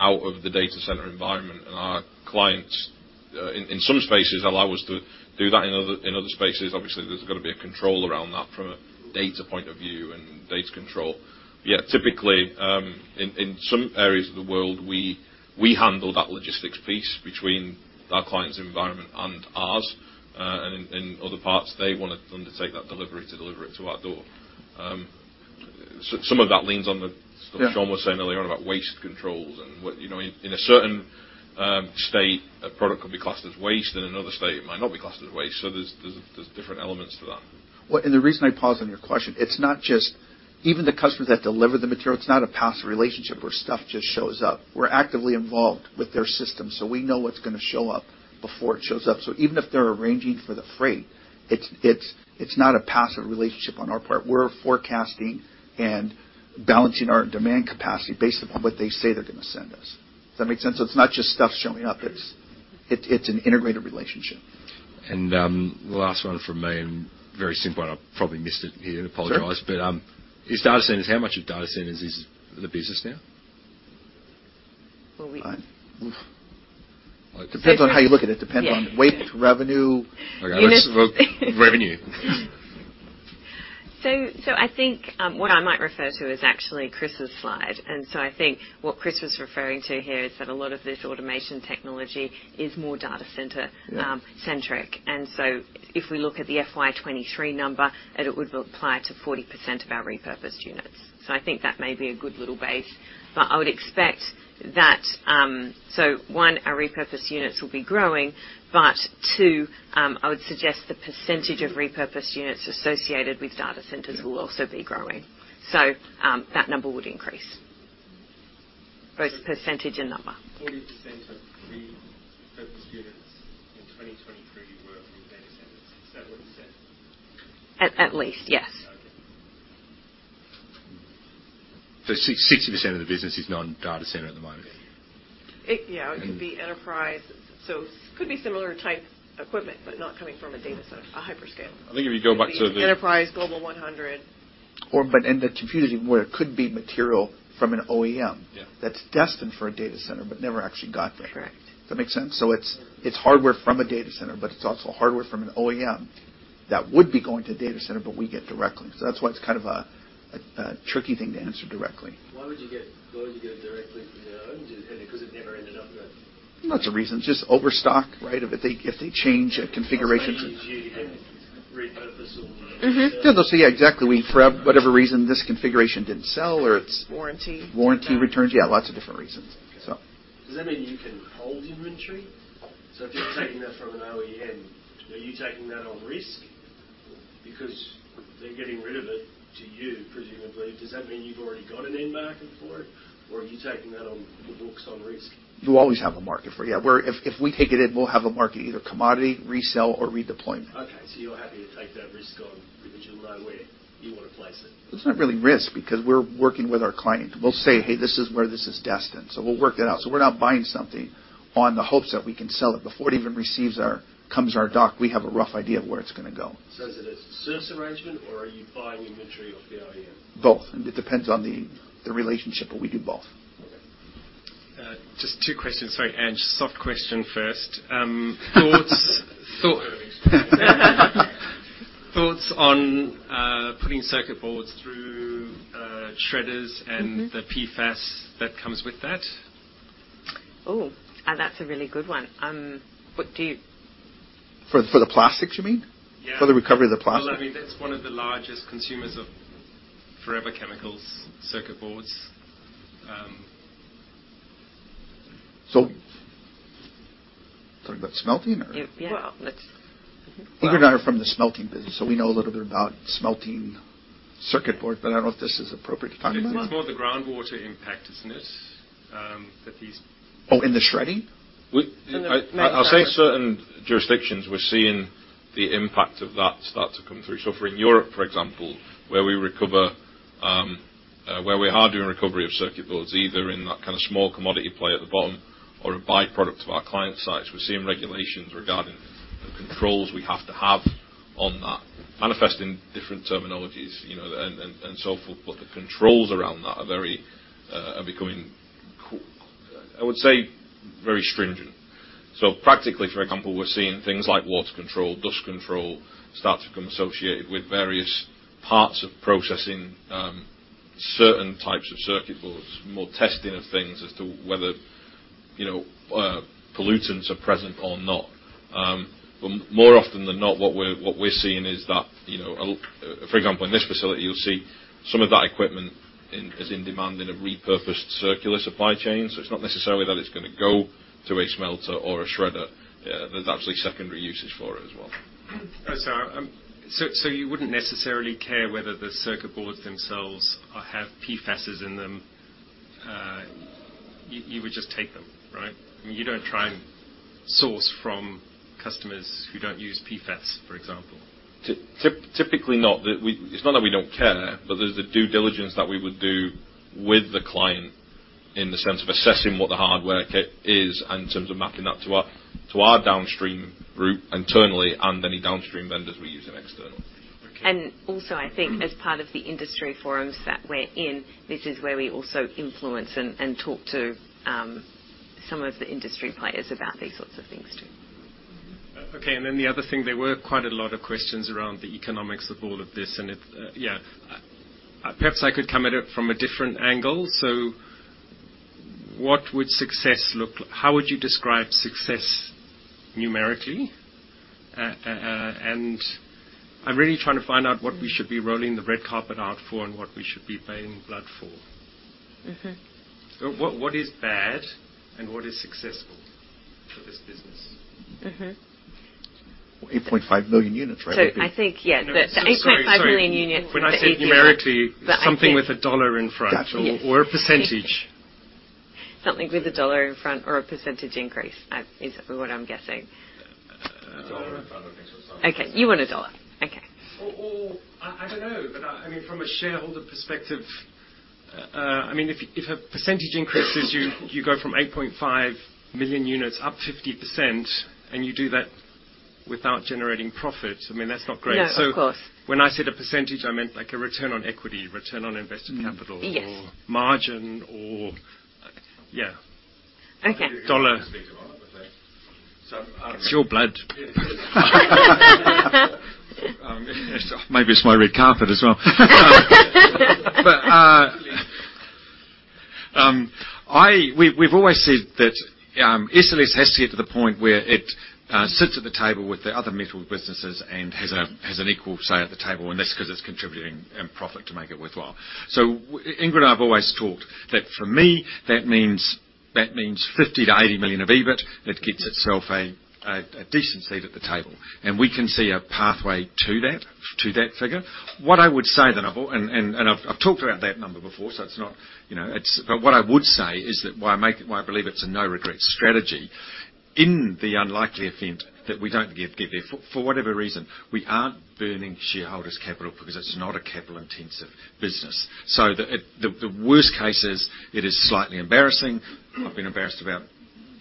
out of the data center environment. Our clients in some spaces allow us to do that. In other spaces, obviously, there's got to be a control around that from a data point of view and data control. Yeah, typically, in some areas of the world, we handle that logistics piece between our client's environment and ours. And in other parts, they wanna undertake that delivery to deliver it to our door. So some of that leans on the stuff Sean was saying earlier about waste controls and what, you know, in a certain state, a product could be classed as waste, and another state it might not be classed as waste. So there's different elements to that. Well, and the reason I paused on your question, it's not just... Even the customers that deliver the material, it's not a passive relationship where stuff just shows up. We're actively involved with their system, so we know what's gonna show up before it shows up. So even if they're arranging for the freight, it's, it's, it's not a passive relationship on our part. We're forecasting and balancing our demand capacity based upon what they say they're gonna send us. Does that make sense? So it's not just stuff showing up. It's, it's, it's an integrated relationship. The last one from me, and very simple, and I probably missed it here, and apologize. Sure. These data centers, how much of data centers is the business now? Well, we- Depends on how you look at it. Yes. Depends on weight, revenue- Okay, let's look, revenue. I think what I might refer to is actually Chris's slide. And so I think what Chris was referring to here is that a lot of this automation technology is more data center-centric. And so if we look at the FY 2023 number, it would apply to 40% of our repurposed units. So I think that may be a good little base, but I would expect that, so one, our repurposed units will be growing, but two, I would suggest the percentage of repurposed units associated with data centers will also be growing. So that number would increase, both percentage and number. 40% of the repurposed units in 2023 were in data centers. Is that what you said? At least, yes. So 60% of the business is non-data center at the moment? Yeah, it could be enterprise. So could be similar type equipment, but not coming from a data center, a hyperscaler. I think if you go back to the- Enterprise Global 100. The confusing, where it could be material from an OEM that's destined for a data center, but never actually got there. Correct. Does that make sense? So it's hardware from a data center, but it's also hardware from an OEM that would be going to a data center, but we get directly. So that's why it's kind of a tricky thing to answer directly. Why would you get it directly from the OEM? Because it never ended up there? Lots of reasons. Just overstock, right? If they, if they change a configuration. Still, they'll say, "Exactly, we, for whatever reason, this configuration didn't sell or it's warranty returns. Yeah, lots of different reasons, so. Warranty. Does that mean you can hold inventory? So if you're taking that from an OEM, are you taking that on risk because they're getting rid of it to you, presumably? Does that mean you've already got an end market for it, or are you taking that on the books on risk? You always have a market for it. Yeah, where if we take it in, we'll have a market, either commodity, resell or redeployment. Okay. You're happy to take that risk on because you know where you want to place it. It's not really risk because we're working with our client. We'll say: Hey, this is where this is destined. So we'll work it out. So we're not buying something on the hopes that we can sell it. Before it even comes to our dock, we have a rough idea of where it's gonna go. Is it a service arrangement or are you buying inventory off the OEM? Both. It depends on the relationship, but we do both. Okay. Just two questions. Sorry, Angela. Soft question first. Thoughts on putting circuit boards through shredders and the PFAS that comes with that. Oh, that's a really good one. What do you...? For the plastics, you mean? Yeah. For the recovery of the plastics? Well, I mean, that's one of the largest consumers of forever chemicals, circuit boards. So talking about smelting or? Yeah, well, let's- Ingrid and I are from the smelting business, so we know a little bit about smelting circuit board, but I don't know if this is appropriate to talk about. It's more the groundwater impact, isn't it? That these- Oh, in the shredding? I'll say certain jurisdictions, we're seeing the impact of that start to come through. So for in Europe, for example, where we recover, where we are doing recovery of circuit boards, either in that kind of small commodity play at the bottom or a by-product of our client sites, we're seeing regulations regarding the controls we have to have on that, manifesting different terminologies, you know, and, and, and so forth. But the controls around that are very, are becoming I would say, very stringent. So practically, for example, we're seeing things like water control, dust control, start to become associated with various parts of processing, certain types of circuit boards, more testing of things as to whether, you know, pollutants are present or not. But more often than not, what we're seeing is that, you know, for example, in this facility, you'll see some of that equipment is in demand in a repurposed circular supply chain. So it's not necessarily that it's gonna go to a smelter or a shredder. There's actually secondary usage for it as well. Sorry, so you wouldn't necessarily care whether the circuit boards themselves are, have PFAS in them, you would just take them, right? You don't try and source from customers who don't use PFAS, for example. Typically not. It's not that we don't care, but there's the due diligence that we would do with the client in the sense of assessing what the hardware is, and in terms of mapping that to our downstream route internally and any downstream vendors we use in external. Okay. Also, I think as part of the industry forums that we're in, this is where we also influence and talk to some of the industry players about these sorts of things, too. Okay, and then the other thing, there were quite a lot of questions around the economics of all of this, and it, yeah. Perhaps I could come at it from a different angle. So what would success look like? How would you describe success numerically? And I'm really trying to find out what we should be rolling the red carpet out for and what we should be paying blood for. What is bad and what is successful for this business? 8.5 million units, right? I think, yeah, the 8.5 million units- Sorry, sorry. When I say numerically, something with a dollar in front or a percentage. Got you. Something with a dollar in front or a percentage increase is what I'm guessing. A dollar in front, I think so. Okay, you want a dollar. Okay. I don't know, but I mean, from a shareholder perspective, I mean, if a percentage increases, you go from 8.5 million units up 50%, and you do that without generating profit, I mean, that's not great. No, of course. When I said a percentage, I meant like a return on equity, return on invested capital or margin or, yeah. Okay. Dollar. It's your blood. Maybe it's my red carpet as well. But, I... We've always said that SLS has to get to the point where it sits at the table with the other metal businesses and has an equal say at the table, and that's because it's contributing in profit to make it worthwhile. So Ingrid and I have always talked, that for me, that means $50 million-$80 million of EBIT. That gets itself a decent seat at the table, and we can see a pathway to that figure. What I would say, then, and I've talked about that number before, so it's not, you know, it's... But what I would say is that why I make it, why I believe it's a no-regrets strategy. In the unlikely event that we don't get there, for whatever reason, we aren't burning shareholders' capital because it's not a capital-intensive business. So the worst case is, it is slightly embarrassing. I've been embarrassed about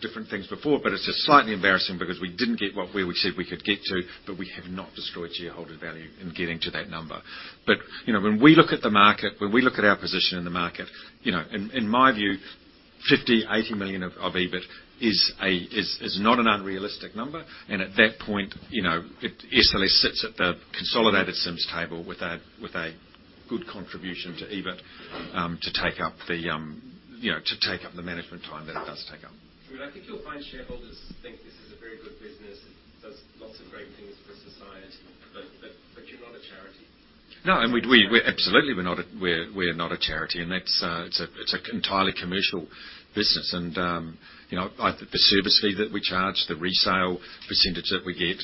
different things before, but it's just slightly embarrassing because we didn't get what we said we could get to, but we have not destroyed shareholder value in getting to that number. But, you know, when we look at the market, when we look at our position in the market, you know, in my view, $50-$80 million of EBIT is not an unrealistic number, and at that point, you know, it easily sits at the consolidated Sims table with a good contribution to EBIT, you know, to take up the management time that it does take up. I think you'll find shareholders think this is a very good business, does lots of great things for society, but you're not a charity. No, we absolutely, we're not a charity, and that's, it's an entirely commercial business. And, you know, the service fee that we charge, the resale percentage that we get,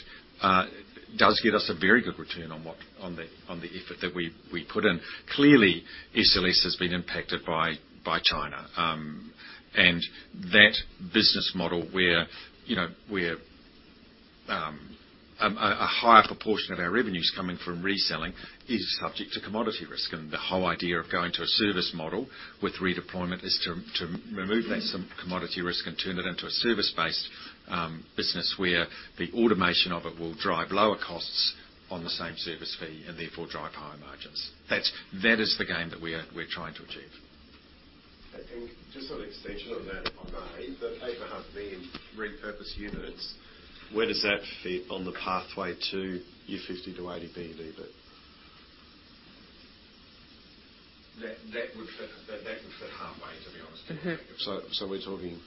does give us a very good return on what, on the effort that we put in. Clearly, SLS has been impacted by China. And that business model, where, you know, where, a higher proportion of our revenue is coming from reselling is subject to commodity risk. And the whole idea of going to a service model with redeployment is to remove that some commodity risk and turn it into a service-based business, where the automation of it will drive lower costs on the same service fee and therefore drive higher margins. That is the game that we are, we're trying to achieve. Just an extension on that, if I may. The 8.5 million repurposed units, where does that fit on the pathway to your $50-$80 billion EBIT? That would fit halfway, to be honest. So we're talking,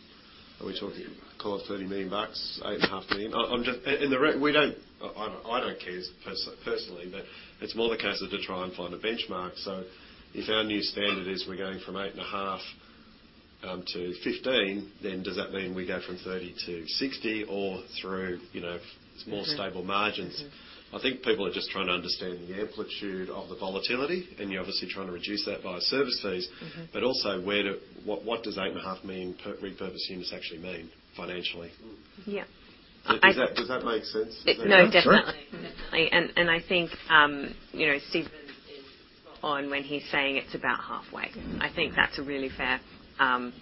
are we talking call it $30 million, $8.5 million? I'm just... I don't care personally, but it's more the case of to try and find a benchmark. So if our new standard is we're going from 8.5 to 15, then does that mean we go from 30 to 60 or through, you know, more stable margins? I think people are just trying to understand the amplitude of the volatility, and you're obviously trying to reduce that via service fees. But also, where do... What does 8.5 million repurposed units actually mean financially? Does that, does that make sense? No, definitely. Sure. Definitely. And I think, you know, Stephen is on when he's saying it's about halfway. I think that's a really fair,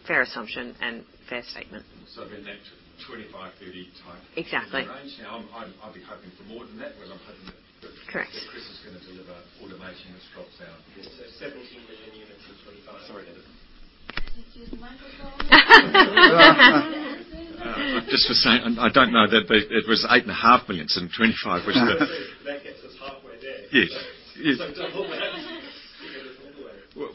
fair assumption and fair statement. So then that 25, 30 type range. Now, I'd be hoping for more than that, but I'm hoping that Chris is going to deliver automation that drops down. Exactly. Correct. Yes, so 17 million units in 2025. Sorry. It was 8.5 million, so in 2025, which the- That gets us halfway there. Yes, yes. So double that.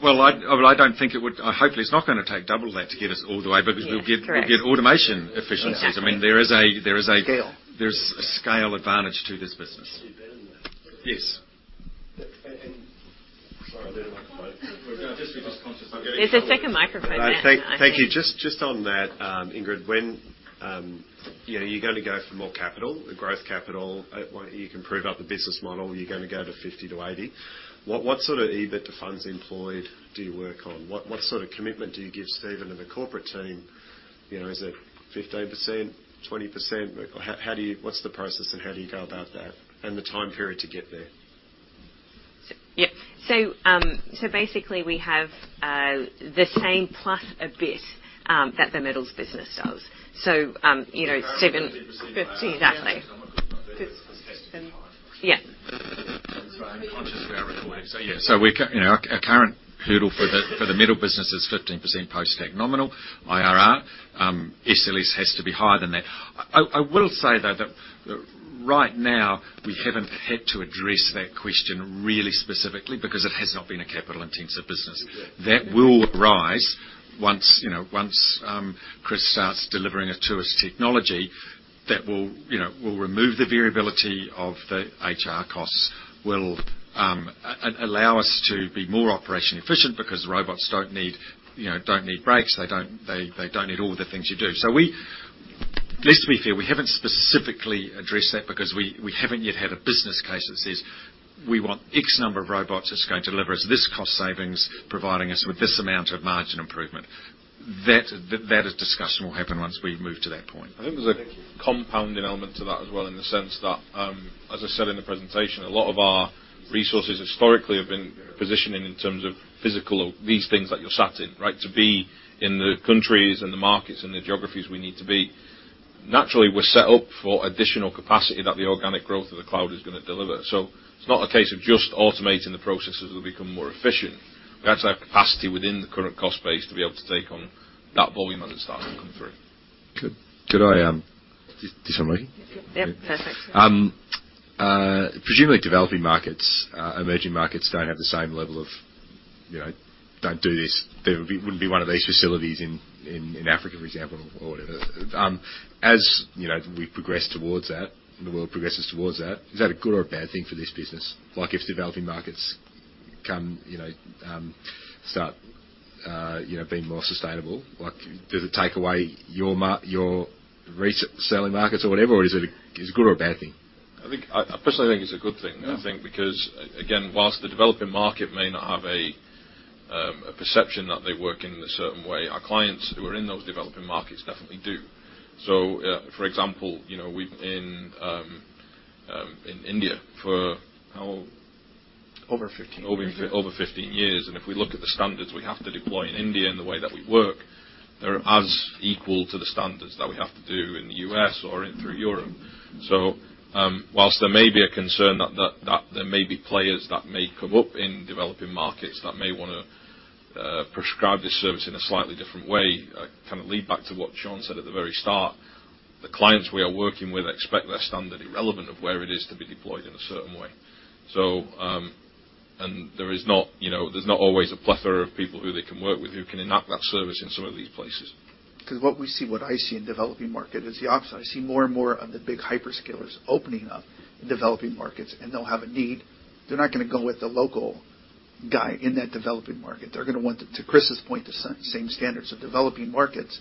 Well, I don't think it would— hopefully, it's not gonna take double that to get us all the way because we'll get, we'll get automation efficiencies. Yes, correct. Exactly. I mean, there is a there's a scale advantage to this business. Even better than that. Yes. Sorry, I didn't want to quote. Well, just because conscious, I'm getting- There's a second microphone there. Thank you. Just on that, Ingrid, when you know, you're gonna go for more capital, the growth capital, at one you can prove up the business model, you're gonna go to 50-80. What sort of EBIT to funds employed do you work on? What sort of commitment do you give Stephen and the corporate team? You know, is it 15%, 20%? How do you... What's the process, and how do you go about that and the time period to get there? Yep. So, basically, we have the same plus a bit that the metals business does. So, you know, 7- 15%. Exactly. 15. Yeah. I'm conscious of our recording. Yeah, you know, our current hurdle for the metals business is 15% post-tax nominal IRR. SLS has to be higher than that. I will say, though, that right now, we haven't had to address that question really specifically because it has not been a capital-intensive business. That will rise once, you know, once Chris starts delivering automation technology that will, you know, will remove the variability of the HR costs, will allow us to be more operationally efficient because robots don't need, you know, don't need breaks, they don't need all the things you do. So, let's be fair, we haven't specifically addressed that because we haven't yet had a business case that says, "We want X number of robots that's going to deliver us this cost savings, providing us with this amount of margin improvement." That discussion will happen once we've moved to that point. I think there's a compounding element to that as well, in the sense that, as I said in the presentation, a lot of our resources historically have been positioning in terms of physical, or these things that you're sat in, right? To be in the countries and the markets and the geographies we need to be. Naturally, we're set up for additional capacity that the organic growth of the cloud is gonna deliver. So it's not a case of just automating the processes, it will become more efficient. We have to have capacity within the current cost base to be able to take on that volume as it starts to come through. Could I... This one working? Yep, perfect. Presumably developing markets, emerging markets don't have the same level of, you know, don't do this. There wouldn't be one of these facilities in Africa, for example, or whatever. As you know, we progress towards that, the world progresses towards that, is that a good or a bad thing for this business? Like, if developing markets come, you know, start, you know, being more sustainable, like, does it take away your market, your reselling markets or whatever, or is it a good or a bad thing? I think, I personally think it's a good thing. I think, because again, while the developing market may not have a perception that they work in a certain way, our clients who are in those developing markets definitely do. So, for example, you know, we've been in India for how? Over 15 years. Over 15 years, and if we look at the standards we have to deploy in India and the way that we work, they're as equal to the standards that we have to do in the U.S. or in through Europe. So, while there may be a concern that there may be players that may come up in developing markets, that may wanna prescribe this service in a slightly different way, I kind of lean back to what Sean said at the very start. The clients we are working with expect that standard, irrespective of where it is to be deployed in a certain way. So, and there is not, you know, there's not always a plethora of people who they can work with, who can enact that service in some of these places. 'Cause what we see, what I see in developing market, is the opposite. I see more and more of the big hyperscalers opening up in developing markets, and they'll have a need. They're not gonna go with the local guy in that developing market. They're gonna want, to, to Chris's point, the same standards. So developing markets,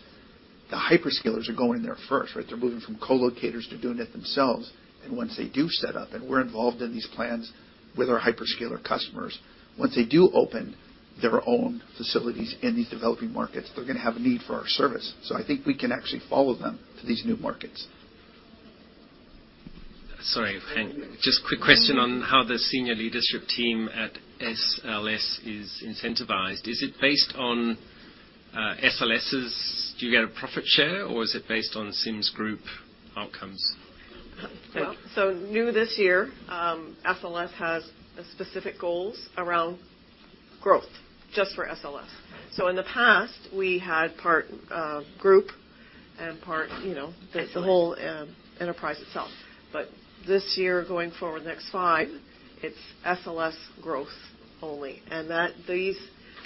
the hyperscalers are going there first, right? They're moving from co-locators to doing it themselves, and once they do set up, and we're involved in these plans with our hyperscaler customers, once they do open their own facilities in these developing markets, they're gonna have a need for our service. So I think we can actually follow them to these new markets. Sorry, Hank. Just quick question on how the senior leadership team at SLS is incentivized. Is it based on, SLS's... Do you get a profit share, or is it based on Sims Group outcomes? Well, so new this year, SLS has specific goals around growth just for SLS. So in the past, we had part, group and part, you know, Okay. the whole, enterprise itself. But this year, going forward, the next five, it's SLS growth only, and that these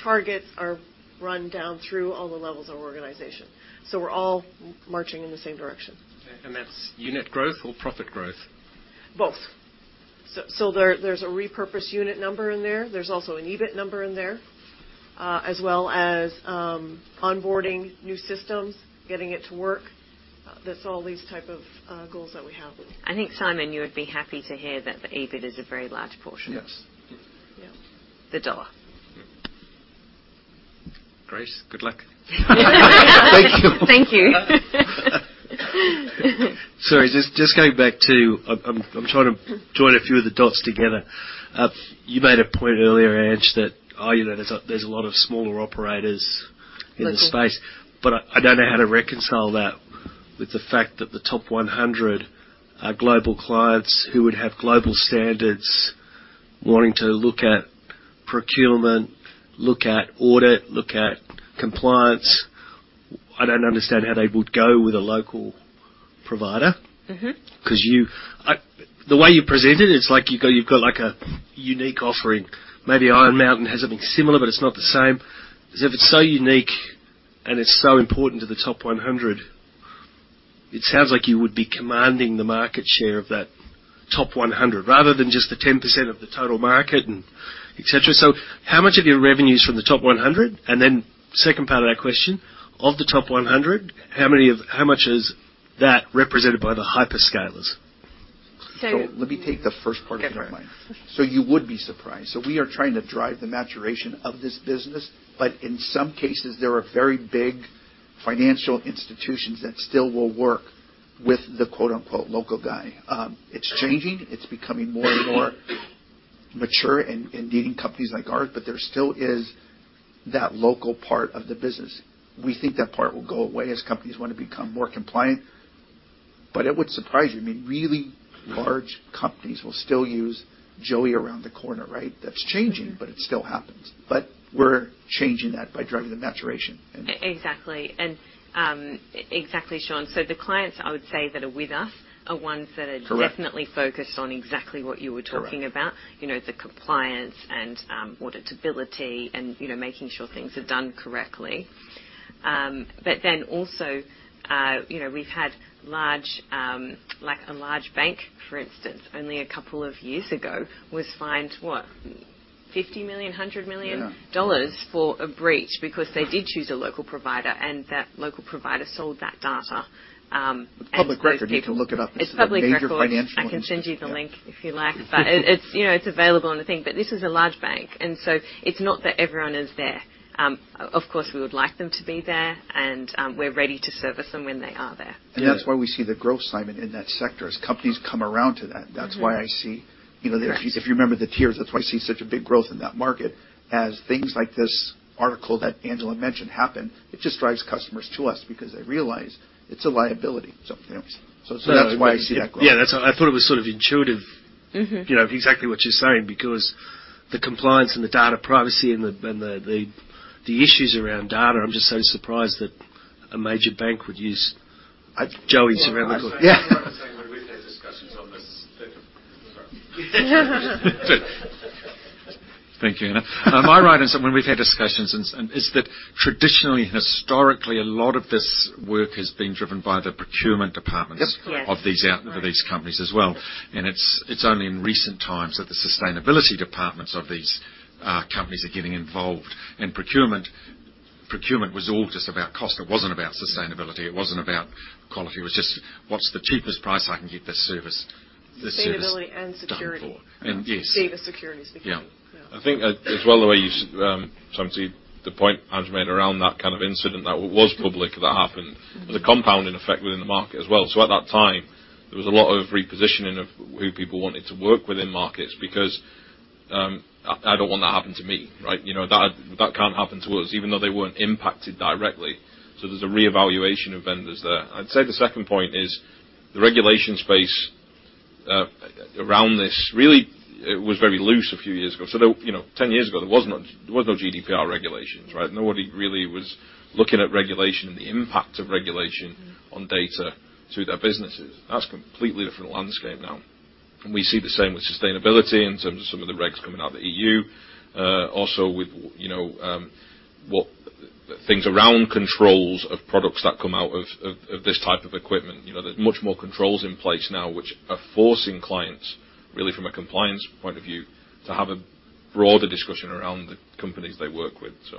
targets are run down through all the levels of organization, so we're all marching in the same direction. Okay, and that's unit growth or profit growth? Both. So, there's a repurposed unit number in there. There's also an EBIT number in there, as well as onboarding new systems, getting it to work. That's all these type of goals that we have. I think, Simon, you would be happy to hear that the EBIT is a very large portion. Yes. Yeah. The dollar. Great. Good luck. Thank you. Thank you. Sorry, just going back to... I'm trying to join a few of the dots together. You made a point earlier Ange that, oh, you know, there's a lot of smaller operators in th space. Local. But I, I don't know how to reconcile that with the fact that the top 100 are global clients who would have global standards wanting to look at procurement, look at audit, look at compliance. I don't understand how they would go with a local provider. 'Cause the way you present it, it's like you've got, you've got, like, a unique offering. Maybe Iron Mountain has something similar, but it's not the same. As if it's so unique and it's so important to the top 100, it sounds like you would be commanding the market share of that top 100, rather than just the 10% of the total market and et cetera. So how much of your revenue is from the top 100? And then second part of that question, of the top 100, how many of- how much is that represented by the hyperscalers? Let me take the first part, if I might. Okay. So you would be surprised. So we are trying to drive the maturation of this business, but in some cases, there are very big financial institutions that still will work with the, quote, unquote, "local guy." It's changing. It's becoming more and more mature in needing companies like ours, but there still is that local part of the business. We think that part will go away as companies want to become more compliant, but it would surprise you. I mean, really large companies will still use Joey around the corner, right? That's changing but it still happens. But we're changing that by driving the maturation, and- Exactly. And exactly, Sean. So the clients, I would say, that are with us, are ones that are definitely focused on exactly what you were talking about. Correct. You know, the compliance and, auditability and, you know, making sure things are done correctly. But then also, you know, we've had large, like a large bank, for instance, only a couple of years ago, was fined, what? $50 million, $100 million for a breach because they did choose a local provider, and that local provider sold that data, as most people- Public record, you can look it up. It's public record. Major financial institution. I can send you the link, if you like. But it's, you know, it's available on the thing, but this is a large bank, and so it's not that everyone is there. Of course, we would like them to be there, and we're ready to service them when they are there. That's why we see the growth, Simon, in that sector, as companies come around to that. That's why I see, you know, there. If you remember the tiers, that's why I see such a big growth in that market. As things like this article that Angela mentioned happened, it just drives customers to us because they realize it's a liability. So, anyways, so, so that's why I see that growth. Yeah, that's why I thought it was sort of intuitive. You know, exactly what you're saying, because the compliance and the data privacy and the issues around data, I'm just so surprised that a major bank would use Joey's around the corner. Yeah. Well, I was saying, when we've had discussions on this... Sorry. Thank you, Ana. My right is when we've had discussions and, and is that traditionally, historically, a lot of this work has been driven by the procurement departments of these out, of these companies as well. Yep. Yes And it's, it's only in recent times that the sustainability departments of these companies are getting involved. In procurement was all just about cost. It wasn't about sustainability, it wasn't about quality. It was just: What's the cheapest price I can get this service, this service done for? Sustainability and security. Data security is the key. I think, as well, so to the point I just made around that kind of incident, that was public. That happened. There's a compounding effect within the market as well. So at that time, there was a lot of repositioning of who people wanted to work with in markets because I don't want that to happen to me, right? You know, that can't happen to us, even though they weren't impacted directly. So there's a reevaluation of vendors there. I'd say the second point is the regulation space around this. Really, it was very loose a few years ago. So there, you know, 10 years ago, there was no GDPR regulations, right? Nobody really was looking at regulation and the impact of regulation on data through their businesses. That's a completely different landscape now. And we see the same with sustainability in terms of some of the regs coming out of the EU. Also with, you know, what things around controls of products that come out of this type of equipment. You know, there's much more controls in place now, which are forcing clients, really from a compliance point of view, to have a broader discussion around the companies they work with, so.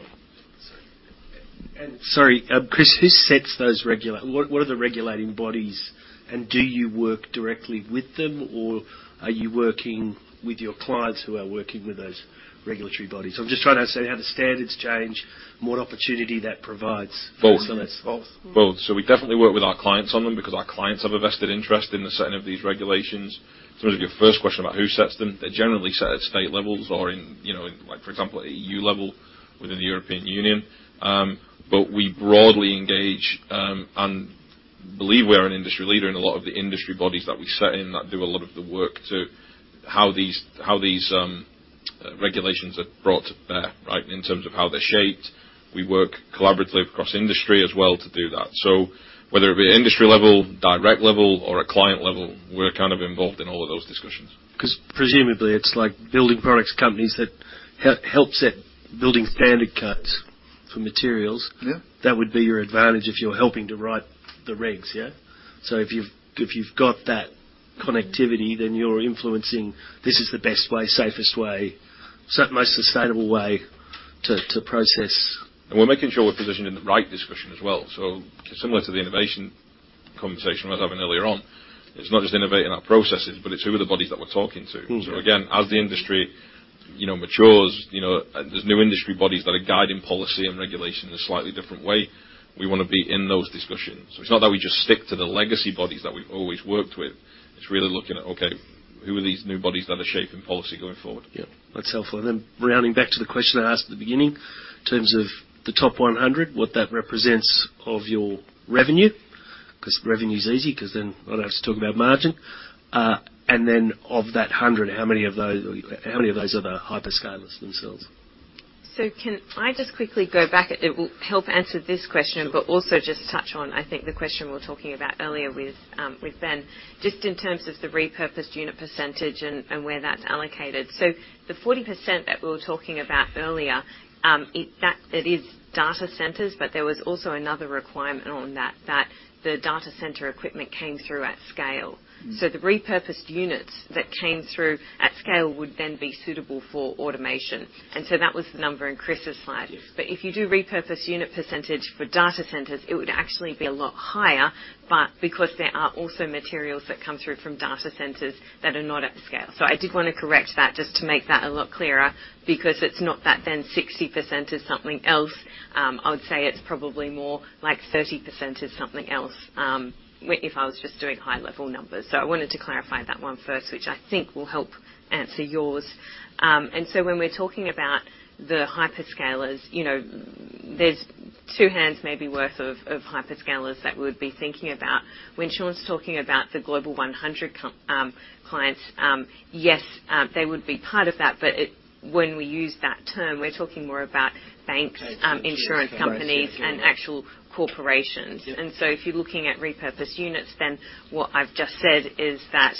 Sorry, Chris, who sets those regulating bodies, and do you work directly with them, or are you working with your clients who are working with those regulatory bodies? I'm just trying to understand how the standards change and what opportunity that provides. Both. Both. Both. So we definitely work with our clients on them because our clients have a vested interest in the setting of these regulations. So in your first question about who sets them, they're generally set at state levels or in, you know, like, for example, EU level, within the European Union. But we broadly engage, and believe we're an industry leader in a lot of the industry bodies that we sit in, that do a lot of the work to how these regulations are brought to bear, right? In terms of how they're shaped. We work collaboratively across industry as well to do that. So whether it be an industry level, direct level, or a client level, we're kind of involved in all of those discussions. 'Cause presumably it's like building products companies that help set building standard cuts for materials. Yeah. That would be your advantage if you're helping to write the regs, yeah? So if you've got that connectivity, then you're influencing, "This is the best way, safest way, most sustainable way to process. And we're making sure we're positioned in the right discussion as well. So similar to the innovation conversation I was having earlier on, it's not just innovating our processes, but it's who are the bodies that we're talking to. So again, as the industry, you know, matures, you know, there's new industry bodies that are guiding policy and regulation in a slightly different way. We wanna be in those discussions. So it's not that we just stick to the legacy bodies that we've always worked with. It's really looking at, okay, who are these new bodies that are shaping policy going forward? Yeah, that's helpful. And then rounding back to the question I asked at the beginning, in terms of the top 100, what that represents of your revenue, 'cause revenue is easy, 'cause then I don't have to talk about margin. And then of that 100, how many of those, how many of those are the hyperscalers themselves? So can I just quickly go back? It will help answer this question, but also just touch on, I think, the question we were talking about earlier with with Ben, just in terms of the repurposed unit percentage and, and where that's allocated. So the 40% that we were talking about earlier, it is data centers, but there was also another requirement on that, that the data center equipment came through at scale. So the repurposed units that came through at scale would then be suitable for automation. And so that was the number in Chris's slide. But if you do repurposed unit percentage for data centers, it would actually be a lot higher, but because there are also materials that come through from data centers that are not at scale. So I did wanna correct that just to make that a lot clearer, because it's not that then 60% is something else. I would say it's probably more like 30% is something else, if I was just doing high-level numbers. So I wanted to clarify that one first, which I think will help answer yours. And so when we're talking about the hyperscalers, you know, there's two hands may be worth of, of hyperscalers that we'd be thinking about. When Sean's talking about the Global 100 clients, yes, they would be part of that, but when we use that term, we're talking more about banks, insurance companies and actual corporations. And so if you're looking at repurposed units, then what I've just said is that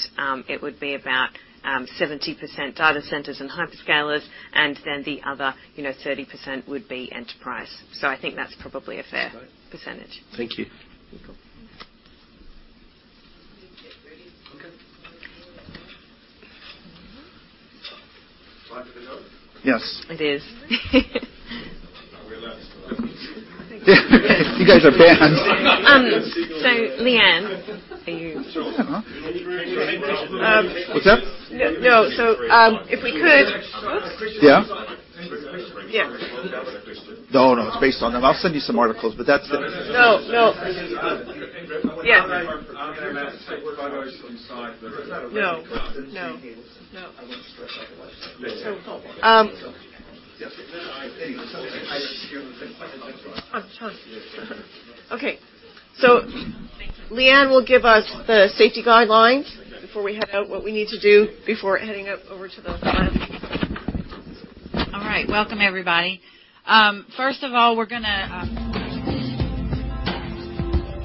it would be about 70% data centers and hyperscalers, and then the other, you know, 30% would be enterprise. So I think that's probably a fair percentage. Got it. Thank you. You're welcome. Yes. It is. I relaxed. You guys are banned. So, Leanne... What's that? No, no. So, if we could... No, no, it's based on them. I'll send you some articles, but that's it. No, no. Yeah. No. No. No. Okay. Leanne will give us the safety guidelines before we head out, what we need to do before heading out over to the site. All right. Welcome, everybody. First of all, we're gonna...